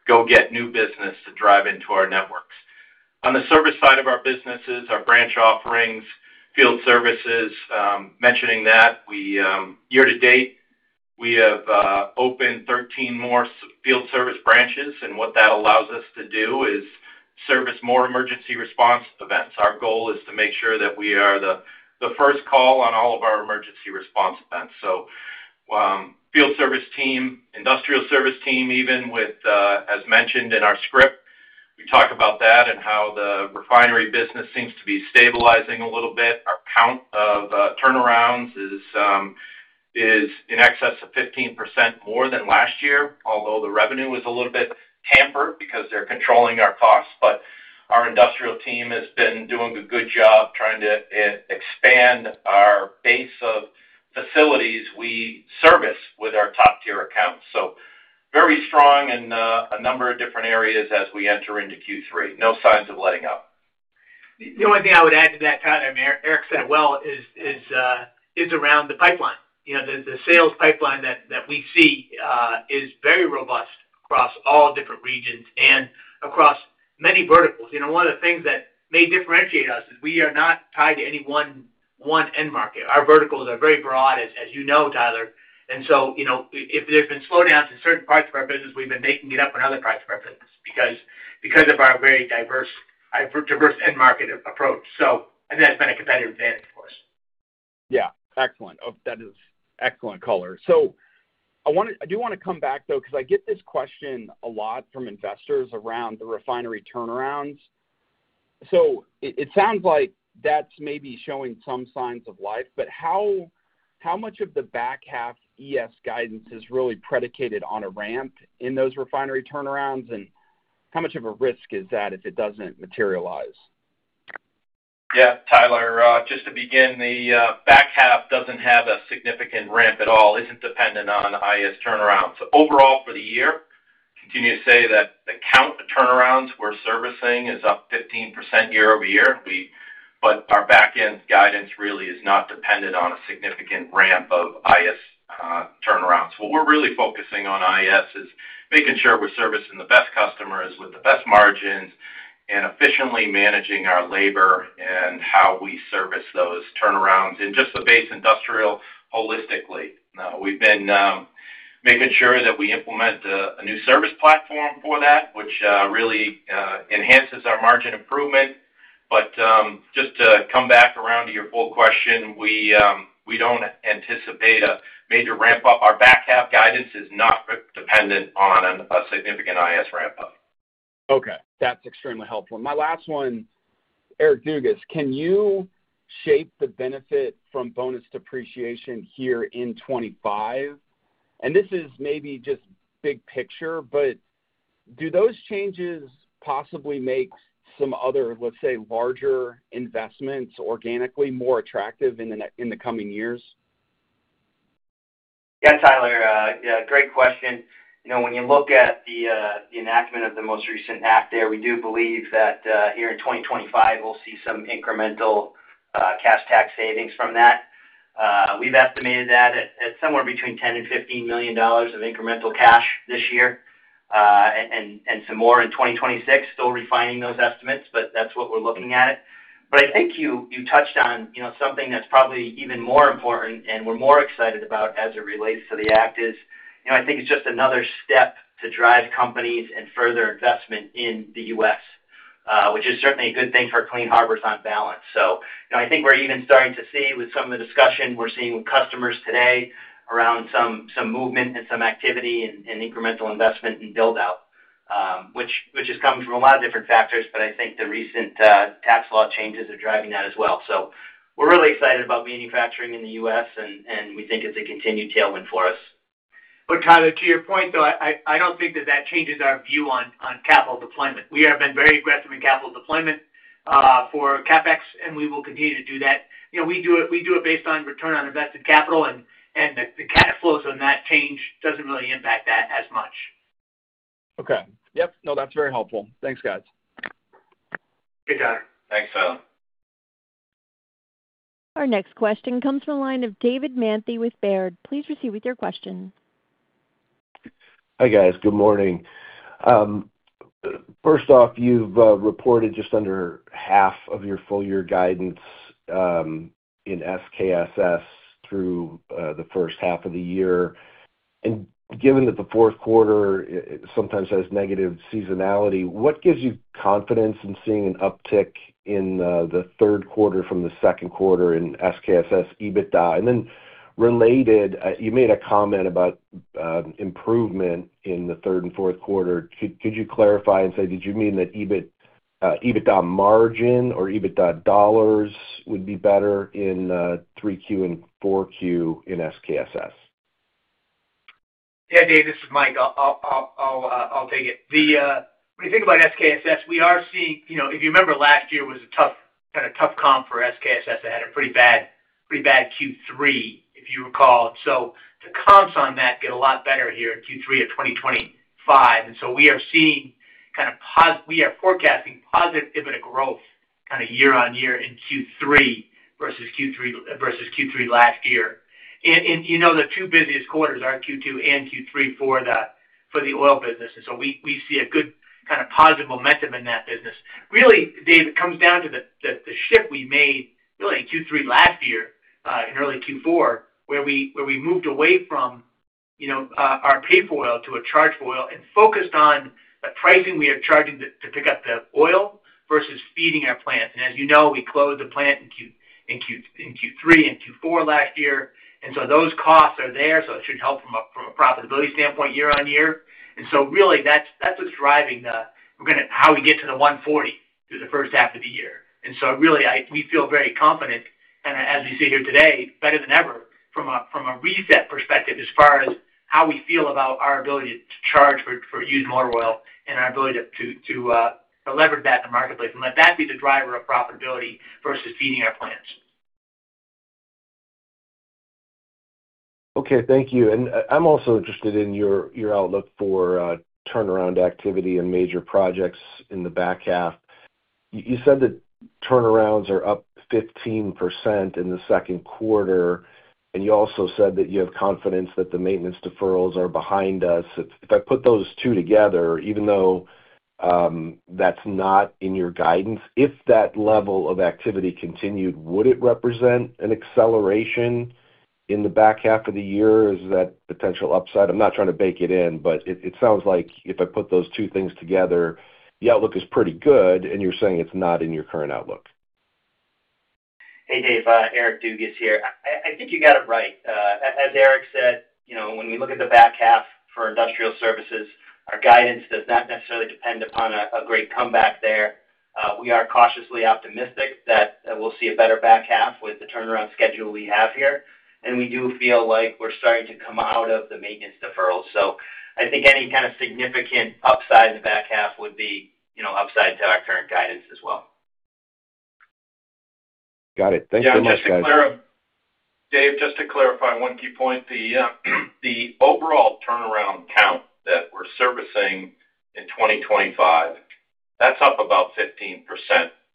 go get new business to drive into our networks. On the service side of our businesses, our branch offerings, field services. Mentioning that year to date, we have opened 13 more field service branches. What that allows us to do is service more emergency response events. Our goal is to make sure that we are the first call on all of our emergency response events. Field service team, industrial service team, even with, as mentioned in our script, we talk about that and how the refinery business seems to be stabilizing a little bit. Our count of turnarounds is in excess of 15% more than last year, although the revenue was a little bit tampered because they're controlling our costs. Our industrial team has been doing a good job trying to expand our base of facilities. We service with our top tier accounts so very strong in a number of different areas. As we enter into Q3, no signs of letting up. The only thing I would add to that, Eric said well, is around the pipeline, the sales pipeline that we see is very robust across all different regions and across many verticals. You know, one of the things that may differentiate us is we are not tied to any one end market. Our verticals are very broad, as you know, Tyler. If there have been slowdowns in certain parts of our business, we have been making it up in other parts of our business because of our very diverse end market approach. So. That has been a competitive advantage for us. Yeah, excellent. That is excellent color. I do want to come back though, because I get this question a lot from investors. Around the refinery turnarounds. It sounds like that's maybe showing some signs of life. But how much of the back half ES guidance is really predicated on a ramp in those refinery turnarounds and how much of a risk is that if it doesn't materialize? Yeah, Tyler, just to begin, the back half doesn't have a significant ramp at all. Isn't dependent on ES turnaround. So. Overall for the year, continue to say that the count of turnarounds we're servicing is up 15% year over year. Our back end guidance really is not dependent on a significant ramp of IS turnarounds. What we're really focusing on is making sure we're servicing the best customers with the best margins and efficiently managing our labor and how we service those turnarounds in just the basin industrial holistically. We've been making sure that we implement a new service platform for that which really enhances our margin improvement. Just to come back around to your full question, we don't anticipate a major ramp up. Our back half guidance is not dependent on a significant IS ramp up. Okay, that's extremely helpful. My last one, Eric Dugas, can you shape the benefit from bonus depreciation here in 2025? This is maybe just big picture, but do those changes possibly make some other, let's say larger investments organically more attractive in the coming years? Yeah, Tyler, great question. When you look at the enactment of the most recent NACD, we do believe that here in 2025 we'll see some incremental cash tax savings from that. We've estimated that at somewhere between $10 million and $15 million of incremental cash this year and some more in 2026. Still refining those estimates, but that's what we're looking at. I think you touched on something that's probably even more important and we're more excited about as it relates to the act is I think it's just another step to drive companies and further investment in the US which is certainly a good thing for Clean Harbors on balance. I think we're even starting to see with some of the discussion we're seeing with customers today around some movement and some activity and incremental investment and build out which has come from a lot of different factors. I think the recent tax law changes are driving that as well. We're really excited about manufacturing in the U.S. and we think it's a continued tailwind for us. Tyler, to your point though, I don't think that that changes our view on capital deployment. We have been very aggressive in capital deployment for CapEx and we will continue to do that. You know, we do it based on return on invested capital and the cash flows on that change doesn't really impact that as much. Okay. Yep. No, that's very helpful. Thanks guys. Good, Donna, thanks. Our next question comes from the line of David Manthey with Baird. Please proceed with your questions. Hi guys. Good morning. First off, you've reported just under half of your full year guidance in SKSS through the first half of the year. Given that the fourth quarter sometimes has negative seasonality, what gives you confidence in seeing an uptick in the third quarter from the second quarter in SKSS EBITDA? Then related, you made a comment about improvement in the third and fourth quarter. Could you clarify and say did you mean that EBITDA margin or EBITDA dollars would be better in 3Q and 4Q in SKSS? Yeah. Dave, this is Mike. I'll take it. When you think about SKSS, we are seeing, if you remember, last year was a tough, had a tough comp for SKSS that had a pretty bad, pretty bad Q3, if you recall. The comps on that get a lot better here in Q3 of 2025. We are seeing kind of POS. We are forecasting positive EBITDA growth kind of year on year in Q3 versus Q3 last year. You know, the two busiest quarters are Q2 and Q3 for the oil business. We see a good kind of positive momentum in that business. Really, Dave, it comes down to the shift we made really in Q3 last year in early Q4, where we moved away from our paper oil to a charge-for-oil and focused on the pricing we are charging to pick up the oil versus feeding our plants. As you know, we closed the plant in Q3 and Q4 last year. Those costs are there. It should help from a profitability standpoint year on year. Really, that's what's driving how we get to the 140 through the first half of the year. We feel very confident and as we sit here today, better than ever from a reset perspective, as far as how we feel about our ability to charge for used motor oil and our ability to leverage that in the marketplace and let that be the driver of profitability versus feeding our plants. Okay, thank you. I'm also interested in your outlook for turnaround activity and major projects in the back half. You said that turnarounds are up 15% in the second quarter and you also said that you have confidence that the maintenance deferrals are behind us. If I put those two together, even though that's not in your guidance, if that level of activity continued, would it represent an acceleration in the back half of the year? Is that potential upside? I'm not trying to bake it in, but it sounds like if I put those two things together, the outlook is pretty good. You're saying it's not in your current outlook. Hey, Dave, Eric Dugas here. I think you got it right. As Eric said, when we look at the back half for industrial services, our guidance does not necessarily depend upon a great comeback. We are cautiously optimistic that we'll see a better back half with the turnaround schedule we have here. We do feel like we're starting to come out of the maintenance deferrals. I think any kind of significant upside in the back half would be upside to our current guidance as well. Got it. Thanks so much, guys. Dave, just to clarify one key point, the overall turnaround count that we're servicing in 2025, that's up about 15%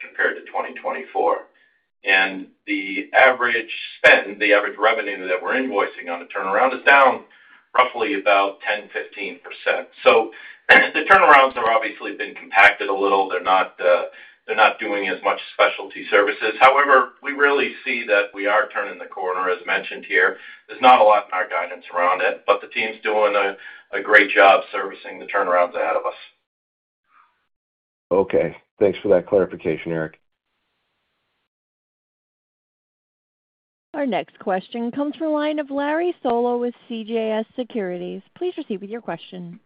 compared to 2024. And the average spend, the average revenue that we're invoicing on a turnaround is down roughly about 10-15%. So the turnarounds have obviously been compacted a little. They're not doing as much specialty services. However, we really see that we are turning the corner. As mentioned here, there's not a lot in our guidance around it, but the team's doing a great job servicing the turnarounds ahead of us. Okay, thanks for that clarification, Eric. Our next question comes from the line of Larry Solow with CJS Securities. Please proceed with your question.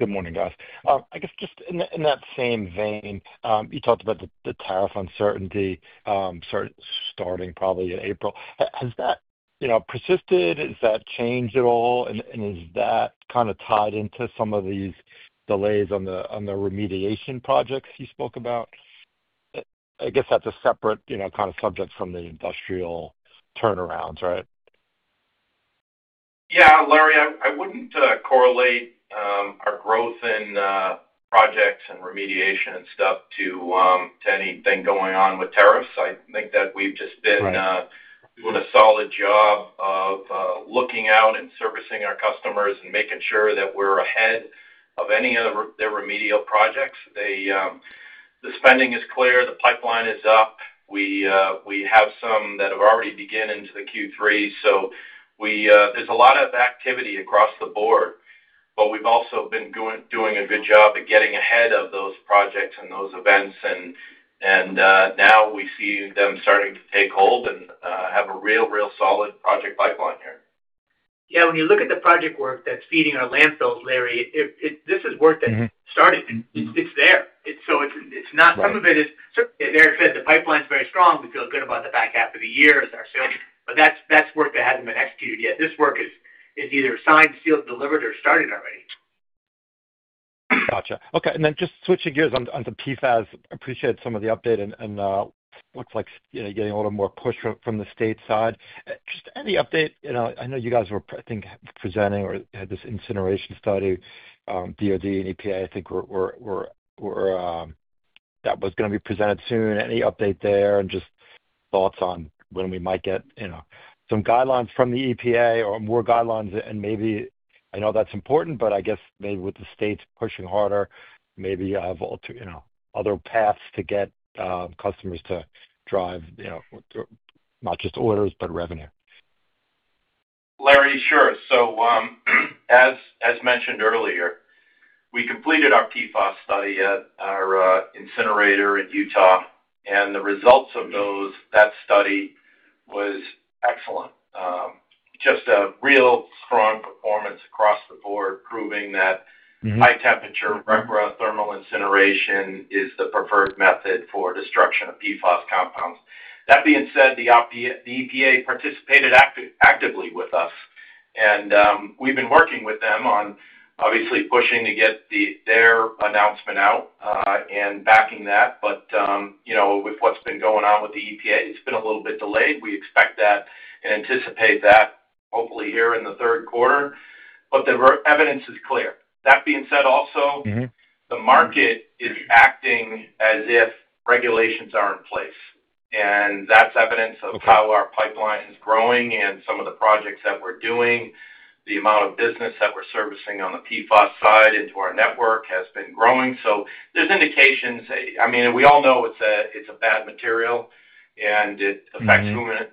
Good morning, guys. I guess just in that same vein, you talked about the tariff uncertainty starting probably in April. Has that persisted? Has that changed at all? Is that kind of tied into some of these delays on the remediation projects you spoke about? I guess that's a separate kind of subject from the industrial turnarounds, right? Yeah. Larry, I would not correlate our growth in projects and remediation and stuff to anything going on with tariffs. I think that we have just been doing a solid job of looking out and servicing our customers and making sure that we are ahead of any of their remedial projects. The spending is clear, the pipeline is up. We have some that have already begun into the Q3, so there is a lot of activity across the board. We have also been doing a good job of getting ahead of those projects and those events. Now we see them starting to take hold and have a real, real solid project pipeline here. Yeah, when you look at the project work that's feeding our landfills, Larry, this is work that started. It's there, so it's not. Some of it is. Eric said the pipeline's very strong. We feel good about the back half of the year as our sales, but that's work that hasn't been executed yet. This work is either signed, sealed, delivered, or starting already. Gotcha. Okay. And then just switching gears on the PFAS. Appreciate some of the update and looks like getting a little more push from the state side, just any update, I know you guys were, I think, presenting or had this incineration study, DOD and EPA, I think that was going to be presented soon. Any update there? And just thoughts on when we might get some guidelines from the EPA or more guidelines. And maybe I know that's important, but I guess maybe with the states pushing harder, maybe other paths to get customers to drive not just orders but revenue. Larry sure. So as mentioned earlier, we completed our PFAS study at our incinerator in Utah and the results of that study was excellent. Just a real strong performance across the board proving that high temperature repro thermal incineration is the preferred method for destruction of PFAS compounds. That being said, the EPA participated actively with us and we've been working with them on obviously pushing to get their announcement out and backing that. But you know, with what's been going on with the EPA, it's been a little bit delayed. We expect that and anticipate that hopefully here in the third quarter. The evidence is clear. That being said also, the market is acting as if regulations are in place and that's evidence of how our pipeline is growing and some of the projects that we're doing, the amount of business that we're servicing on the PFAS side into our network has been growing. There's indications, I mean we all know it's a bad material and it affects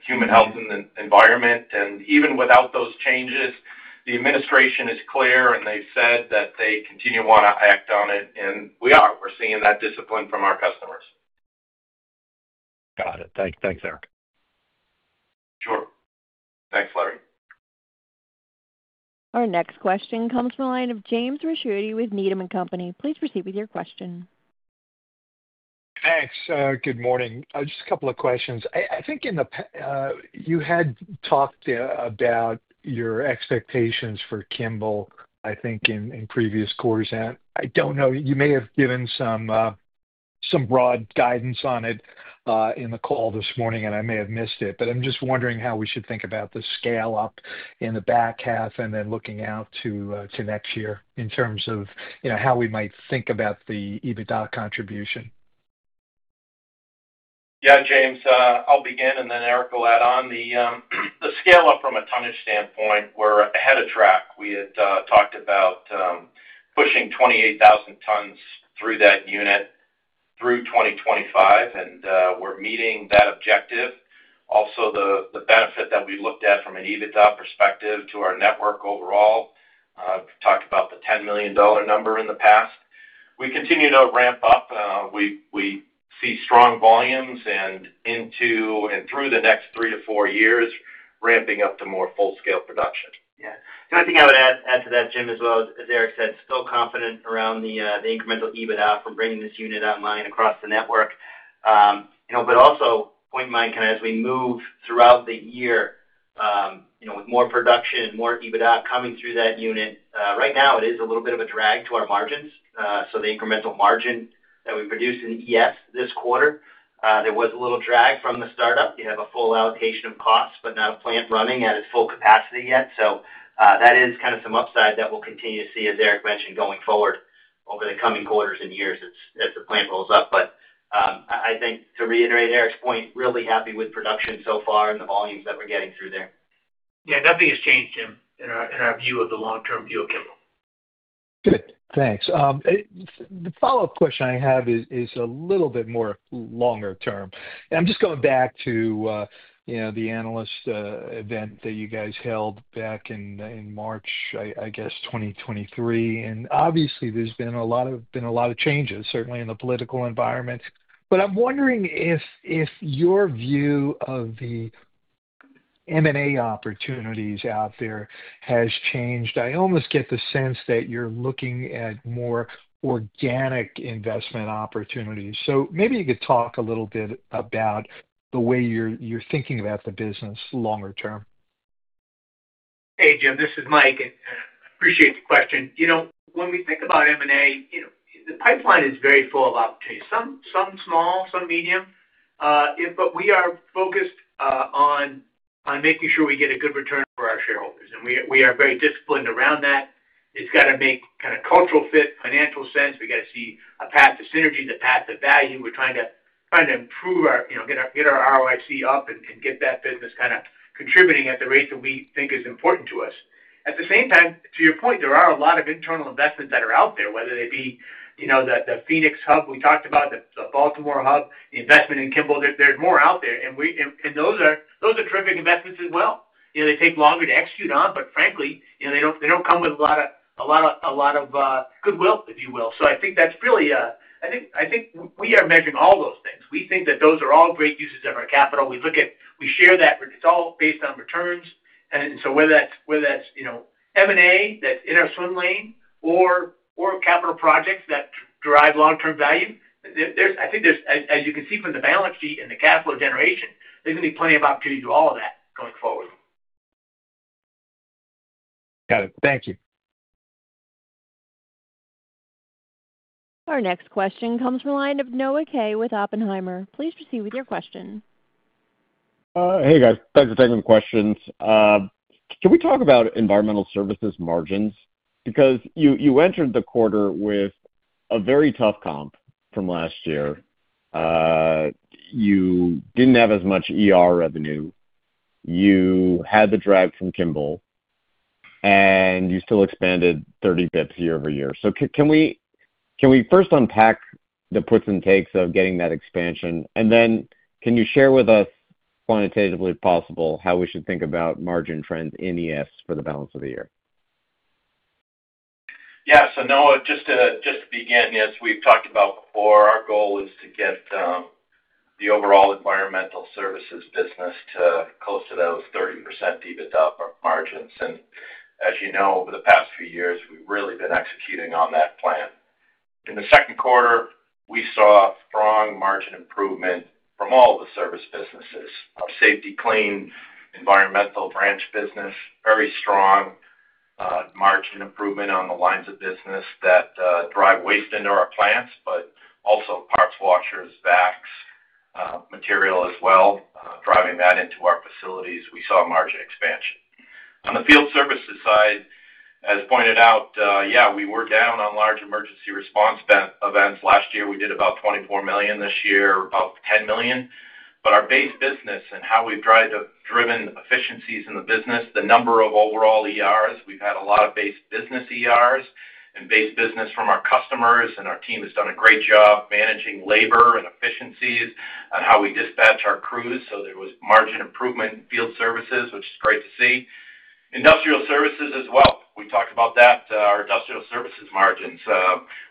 human health and the environment. Even without those changes, the administration is clear and they said that they continue to want to act on it. And we are, we're seeing that discipline from our customers. Got it. Thanks, Eric. Sure. Thanks, Larry. Our next question comes from the line of James Ricchiuti with Needham and Company. Please proceed with your question. Thanks. Good morning. Just a couple of questions. I think you had talked about your expectations for Kimball, I think in previous quarters and I don't know, you may have given some broad guidance on it in the call this morning and I may have missed it, but I'm just wondering how we should think about the scale on in the back half and then looking out to next year in terms of how we might think about the EBITDA contribution. Yeah, James, I'll begin and then Eric will add. On the scale up from a tonnage standpoint, we're ahead of track. We had talked about pushing 28,000 tons through that unit through 2025 and we're meeting that objective. Also, the benefit that we looked at from an EBITDA perspective to our network overall, talked about the $10 million number in the past. We continue to ramp up. We see strong volumes and into and through the next three to four years ramping up to more full scale production. Yeah, the only thing I would add to that, Jim, as well, as Eric said, still confident around the incremental EBITDA from bringing this unit online across the network. Also point in mind, as we move throughout the year with more production, more EBITDA coming through that unit right now, it is a little bit of a drag to our margins. The incremental margin that we produced in ES this quarter, there was a little drag from the startup. You have a full allocation of costs, but not a plant running at its full capacity yet. That is kind of some upside that we'll continue to see, as Eric mentioned, going forward over the coming quarters and years as the plant rolls up. I think, to reiterate Eric's point, really happy with production so far and the volumes that we're getting through there. Yeah, nothing has changed, Jim, in our view of the long term deal. Kimball, good, thanks. The follow up question I have is. A little bit more longer term and I'm just going back to the analyst event that you guys held back in, in March, I guess 2023. Obviously there's been a lot of, been a lot of changes, certainly in the political environment. I'm wondering if your view of. The M and A opportunities out there has changed. I almost get the sense that you're looking at more organic investment opportunities. Maybe you could talk a little bit about the way you're thinking about the business longer term. Hey Jim, this is Mike and appreciate the question. You know, when we think about M&A, the pipeline is very full of opportunities, some small, some medium. We are focused on making sure we get a good return for our shareholders and we are very disciplined around that. It has got to make kind of cultural fit, financial sense. We got to see a path to synergy, the path to value. We are trying to improve our, you know, get our ROIC up and get that business kind of contributing at the rate that we think is important to us. At the same time, to your point, there are a lot of internal investments that are out there, whether they be the Phoenix hub we talked about, the Baltimore hub, the investment in Kimball. There is more out there and those are terrific investments as well. They take longer to execute on, but frankly they do not come with a lot of goodwill, if you will. I think that is really, I think we are measuring all those things. We think that those are all great uses of our capital. We look at, we share that it is all based on returns. Whether that is, whether that is, you know, M and A that is in our swim lane or capital projects that drive long term value, there is, I think there is, as you can see from the balance sheet and the cash flow generation, there is going to be plenty of opportunity to do all of that going forward. Got it. Thank you. Our next question comes from the line of Noah Kaye with Oppenheimer. Please proceed with your question. Hey guys, thanks for taking the questions. Can we talk about environmental services margins because you entered the quarter with a very tough comp from last year. You did not have as much ER revenue, you had the drag from Kimball and you still expanded 30 basis points year over year. Can we first unpack the puts and takes of getting that expansion and then can you share with us quantitatively if possible, how we should think about margin trends in ES for the balance of the year? Yeah. So Noah, just to begin, as we have talked about before, our goal is to get the overall environmental services business to close to those 30% EBITDA margins. As you know, over the past few years we have really been executing on that plan. In the second quarter we saw strong margin improvement from all the service businesses, our Safety-Kleen environmental branch business, very strong margin improvement on the lines of business that drive waste into our plants, but also parts washers, vacs, material as well, driving that into our facilities. We saw margin expansion on the field services side as pointed out. Yeah, we were down on large emergency response events. Last year we did about $24 million, this year about $10 million. Our base business and how we have driven efficiencies in the business, the number of overall ERs. We have had a lot of base business, business ERs and base business from our customers. Our team has done a great job managing labor and efficiencies on how we dispatch our crews. There was margin improvement field services, which is great to see, industrial services as well. We talked about that. Our industrial services margins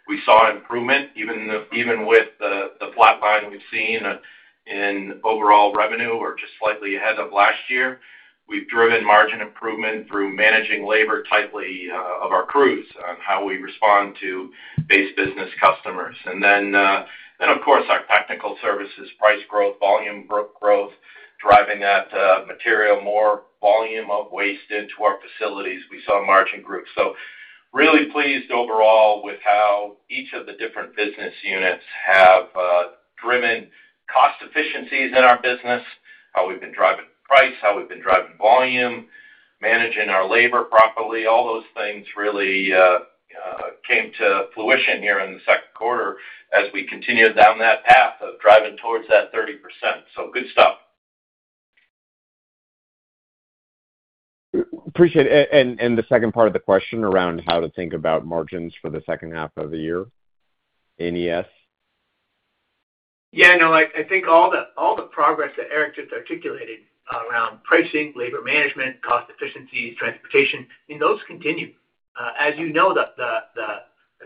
we saw improvement even with the flat line we have seen in overall revenue or just slightly ahead of last year. We have driven margin improvement through managing labor tightly of our crews, how we respond to base business customers and then of course our technical services price growth, volume growth, driving that material, more volume of waste into our facilities. We saw margin growth so really pleased overall with how each of the different business units have driven cost efficiencies in our business, how we have been driving price, how we have been driving volume, managing our labor properly. All those things really came to fruition here in the second quarter as we continue down that path of driving towards that 30%. Good stuff. Appreciate it. The second part of the question around how to think about margins for the second quarter, half of the year. Nes. Yeah. No, I think all the progress that Eric just articulated around pricing, labor management, cost efficiencies, transportation, those continue. As you know, the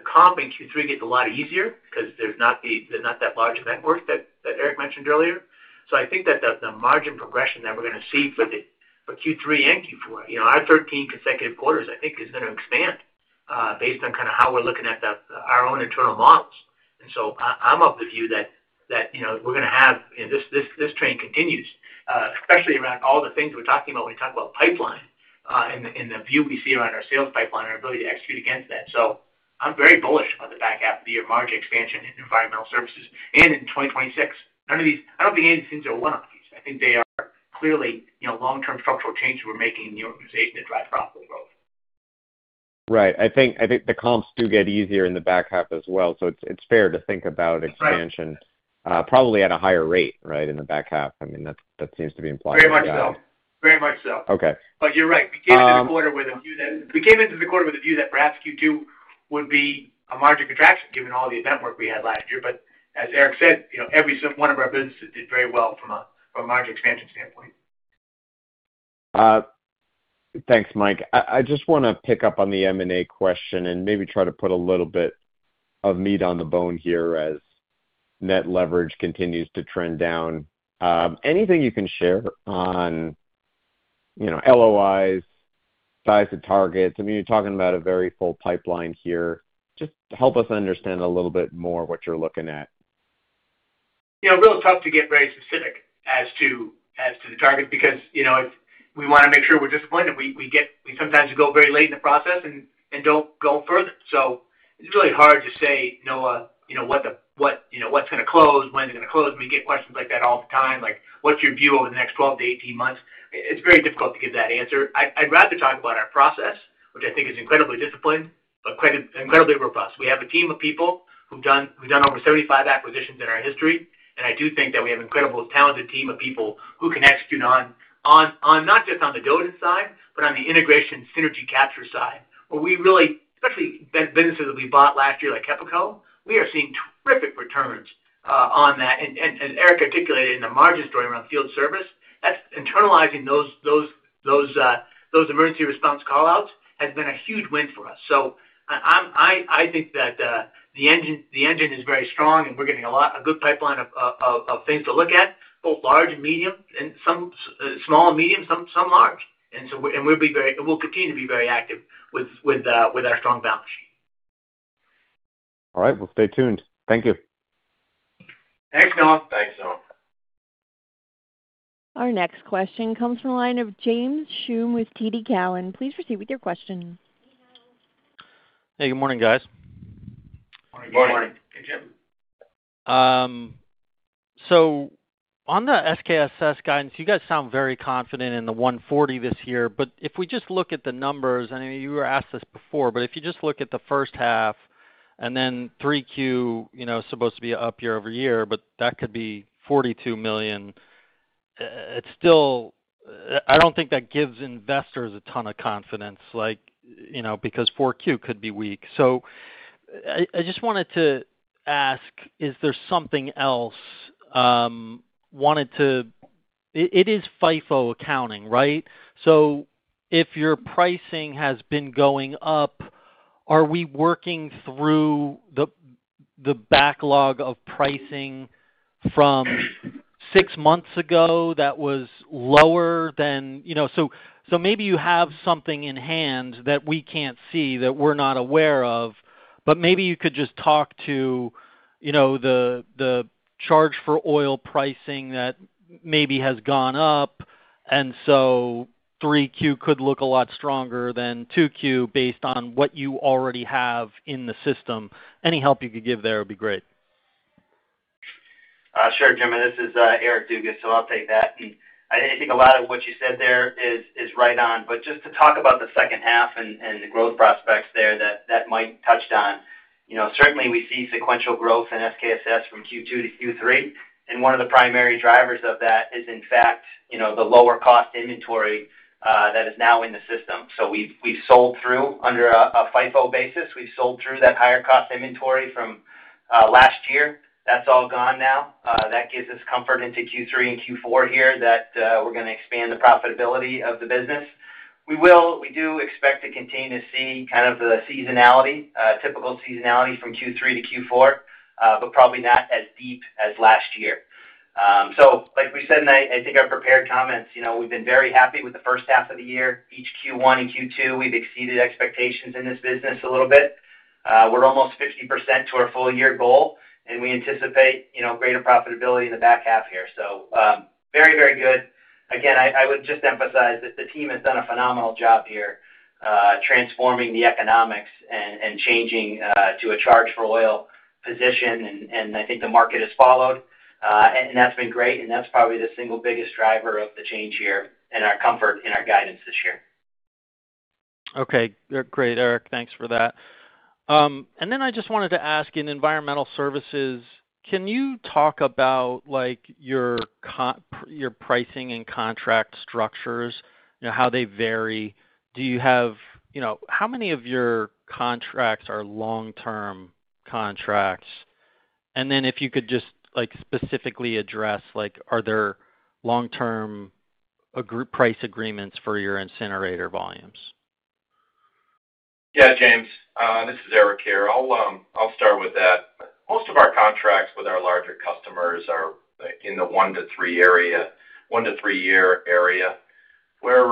comp in Q3 gets a lot easier because there is not the, not that large network that Eric mentioned earlier. I think that the margin progression that we are going to see for Q3 and Q4, our 13 consecutive quarters, I think is not to expand based on kind of how we are looking at our own internal models. I am of the view that we are going to have this train continue especially around all the things we are talking about when we talk about pipeline and the view we see around our sales pipeline, our ability to execute against that. I am very bullish on the back half of the year, margin expansion in environmental services. In 2026, none of these, I do not think any of these things are one off piece. I think they are clearly long term structural changes we are making in the organization to drive profitable growth. Right. I think the comps do get easier in the back half as well. So it is fair to think about expansion probably at a higher rate. Right in the back half. I mean, that seems to be implied. Very much so. Very much so. Okay. You're right, we came into the quarter with a view that perhaps Q2 would be a margin contraction given all the event work we had last year. As Eric said, every one of our businesses, it did very well from a margin expansion standpoint. Thanks, Mike. I just want to pick up on the M&A question and maybe try to put a little bit of meat on the bone here as net leverage continues to trend down. Anything you can share on LOIs, size of targets? You're talking about a very full pipeline here. Just help us understand a little bit more what you're looking at. You know, real tough to get very specific as to the target because, you know, we want to make sure we're disciplined and we get, we sometimes go very late in the process and do not go further. It is really hard to say, you know, what is going to close, when it is going to close. We get questions like that all the time, like what is your view over the next 12-18 months? It is very difficult to give that answer. I would rather talk about our process, which I think is incredibly difficult, incredibly robust. We have a team of people who have done over 75 acquisitions in our history. I do think that we have an incredibly talented team of people who can execute not just on the Dodge side but on the integration synergy capture side, where we really, especially businesses that we bought last year like HEPACO, we are seeing terrific returns on that. Eric articulated in the margin story around field service that internalizing those emergency spill response call outs has been a huge win for us. I think that the engine is very strong and we are getting a lot, a good pipeline of things to look at, both large and medium and some small and medium, some large. We will continue to be very active with our strong balance sheet. All right. Stay tuned. Thank you. Thanks, Noah. Thanks. Our next question comes from the line of James Shum with TD Cowan. Please proceed with your question. Hey, good morning, guys. On the SKSS guidance, you guys sound very confident in the 140 this year. If we just look at the. Numbers and you were asked this before. If you just look at the first half and then 3Q is supposed to be up year over year, but that could be $42 million, I do not think that gives investors a ton of confidence because 4Q could be weak. I just wanted to ask, is there something else? It is FIFO accounting. If your pricing has been going up, are we working through the backlog of pricing from six months ago that was lower then. So maybe you have something in hand that we can't see that we're not aware of. Maybe you could just talk to. The charge-for-oil pricing that maybe has gone up and so 3Q could. Look a lot stronger than 2Q based. On what you already have in the. System, any help you could give there would be great. Sure. Jim, this is Eric Dugas. I'll take that. I think a lot of what you said there is right on. Just to talk about the second half and the growth prospects there that Mike touched on, certainly we see sequential growth in SKSS from Q2-Q3 and one of the primary drivers of that is in fact the lower cost inventory that is now in the system. We've sold through, under a FIFO basis, we've sold through that higher cost inventory from last year, that's all gone. That gives us comfort into Q3 and Q4 here, that we're going to expand the profitability of the business. We do expect to continue to see kind of the seasonality, typical seasonality from Q3-Q4, but probably not as deep as last year. Like we said, and I think our prepared comments, you know, we've been very happy with the first half of the year. Each Q1 and Q2, we've exceeded expectations in this business a little bit. We're almost 50% to our full year goal and we anticipate, you know, greater profitability in the back half here. Very, very good. Again, I would just emphasize that the team has done a phenomenal job here transforming the economics and changing to a charge-for-oil position. I think the market has followed and that's been great. That's probably the single biggest driver of the change here and our comfort in our guidance this year. Okay, great, Eric, thanks for that. I just wanted to ask. In environmental services, can you talk about like your pricing and contract structures, you know, how they vary? Do you have, you know, how many of your contracts are long term contracts? And then if you could just like specifically address, like, are there long term price agreements for your incinerator volumes? Yeah, James, this is Eric here. I'll start with that. Most of our contracts with our larger customers are in the one to three area, one to three year area, where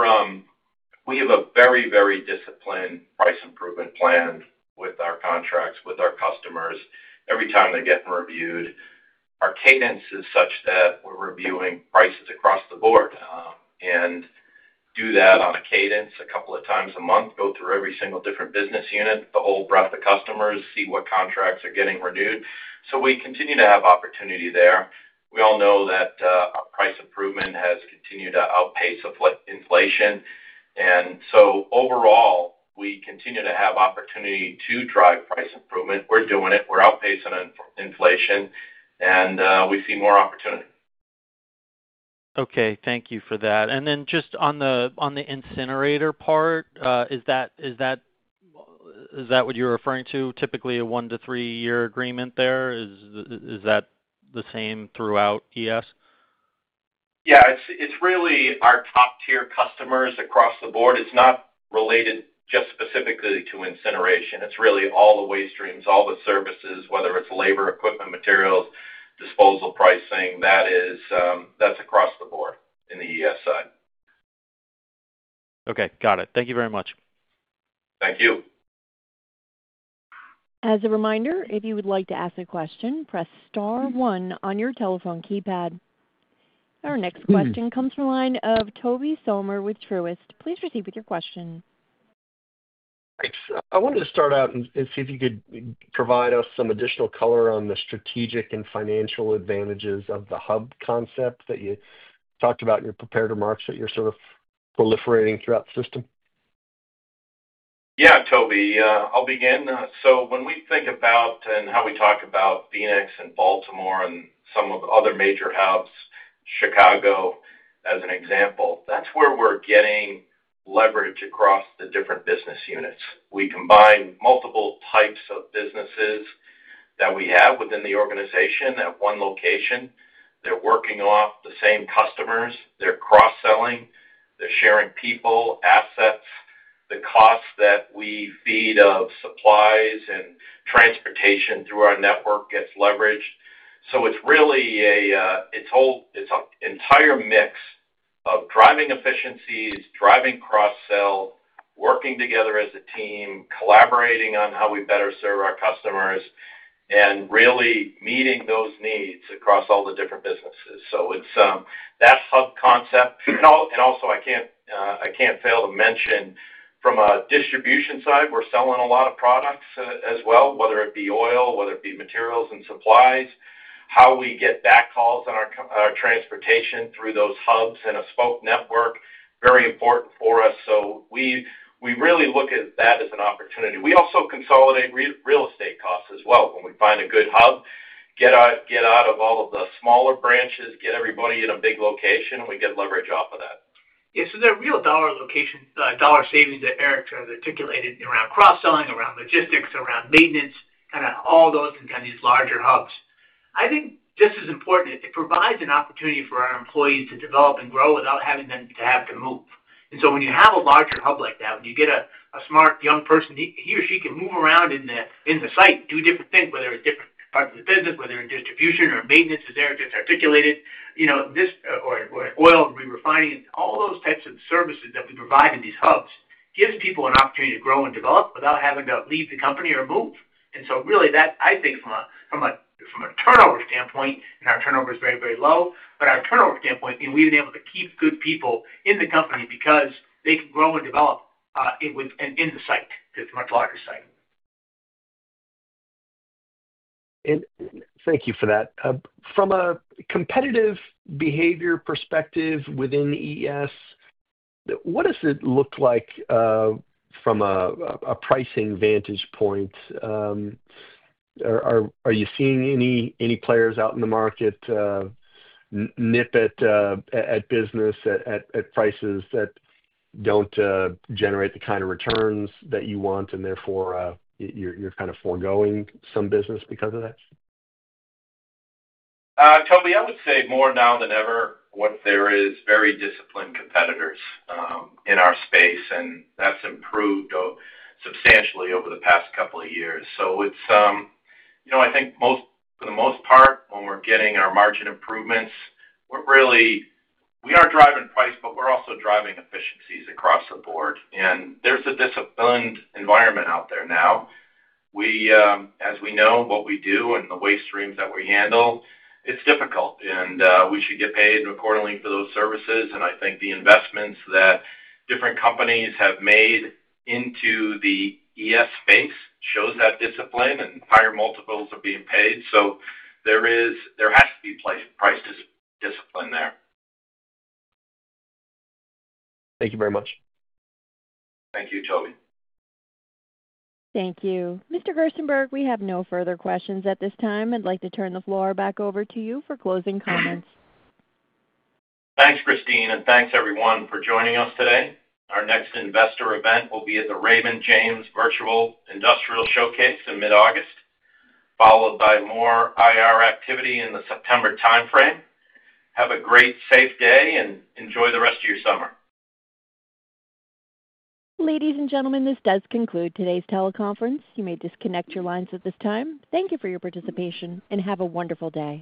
we have a very, very disciplined price improvement plan with our contracts with our customers every time they're getting reviewed. Our cadence is such that we're reviewing prices across the board and do that on a cadence a couple of times a month, go through every single different business unit, the whole breadth of customers, see what contracts are getting renewed. So we continue to have opportunity there. We all know that price improvement has continued to outpace inflation. And so overall we continue to have opportunity to drive price improvement. We're doing it, we're outpacing inflation and we see more opportunity. Okay, thank you for that. And then just on the, on the. Incinerator part. Is that what you're referring to? Typically a one to three year agreement there, is that the same throughout ES? Yeah, it's really our top tier customers across the board, it's not related just specifically to incineration. It's really all the waste streams, all the services, whether it's labor, equipment, materials, disposal, pricing, that's across the board in the ES side. Okay, got it. Thank you very much. Thank you. As a reminder, if you would like to ask a question, press star one on your telephone keypad. Our next question comes from the line of Toby Sommer with Truist. Please proceed with your question. Thanks. I wanted to start out and see if you could provide us some additional color on the strategic and financial advantages of the hub concept that you talked about in your prepared remarks that you're sort of proliferating throughout the system. Yeah, Toby, I'll begin. When we think about and how we talk about Phoenix and Baltimore and some of the other major hubs, Chicago as an example, that's where we're getting leverage across the different business units. We combine multiple types of businesses that we have within the organization at one location, they're working off the same customers, they're cross selling, they're sharing people, assets. The cost that we feed of supplies and transportation through our network gets leveraged. It's really an entire mix of driving efficiencies, driving cross sell, working together as a team, collaborating on how we better serve our customers and really meeting those needs across all the different businesses. It's that hub concept and also I can't fail to mention from a distribution side, we're selling a lot of products as well, whether it be oil, whether it be materials and supplies. How we get backhauls on our transportation through those hubs and a spoke network, very important for us. We really look at that as an opportunity. We also consolidate real estate costs as well. When we find a good hub, get out of all of the smaller branches, get everybody in a big location and we get leverage off of that. Yes, the real dollar location, dollar savings that Eric has articulated around cross selling, around logistics, around maintenance, kind of all those in kind of these larger hubs, I think just as important it provides an opportunity for our employees to develop and grow without having them to have to move. When you have a larger hub like that, when you get a smart young person, he or she can move around in the site, do different things. Whether it's different parts of the business, whether in distribution or maintenance is there if it's articulated, you know, this or oil re-refining and all those types of services that we provide in these hubs gives people an opportunity to grow and develop without having to leave the company or move. Really that I think from a turnover standpoint, and our turnover is very, very low, but our turnover standpoint, we've been able to keep good people in the company because they can grow and develop in the site, it's a much larger site. Thank you for that. From a competitive behavior perspective within ES, what does it look like from a pricing vantage point? Are you seeing any players out in? The market nip it at business at prices that don't generate the kind of returns that you want and therefore you're kind of foregoing some business because of that? Toby, I would say more now than ever what there is very disciplined competitors in our space and that's important, improved substantially over the past couple of years. It's, you know, I think for the most part, when we're getting our margin improvements, we're really, we are driving price, but we're also driving efficiencies across the board and there's a disciplined environment out there now. We, as we know what we do and the waste streams that we handle, it's difficult and we should get paid accordingly for those services. I think the investments that different companies have made into the ES space shows that discipline and higher multiples are being paid. There has to be price discipline there. Thank you very much. Thank you, Tobey. Thank you, Mr. Gerstenberg. We have no further questions at this time. I'd like to turn the floor back over to you for closing comments. Thanks, Christine. Thanks everyone for joining us today. Our next investor event will be at the Raymond James Virtual Industrial Showcase in mid August, followed by more IR activity in the September time frame. Have a great safe day and enjoy the rest of your summer. Ladies and gentlemen, this does conclude today's teleconference. You may disconnect your lines at this time. Thank you for your participation and have a wonderful day.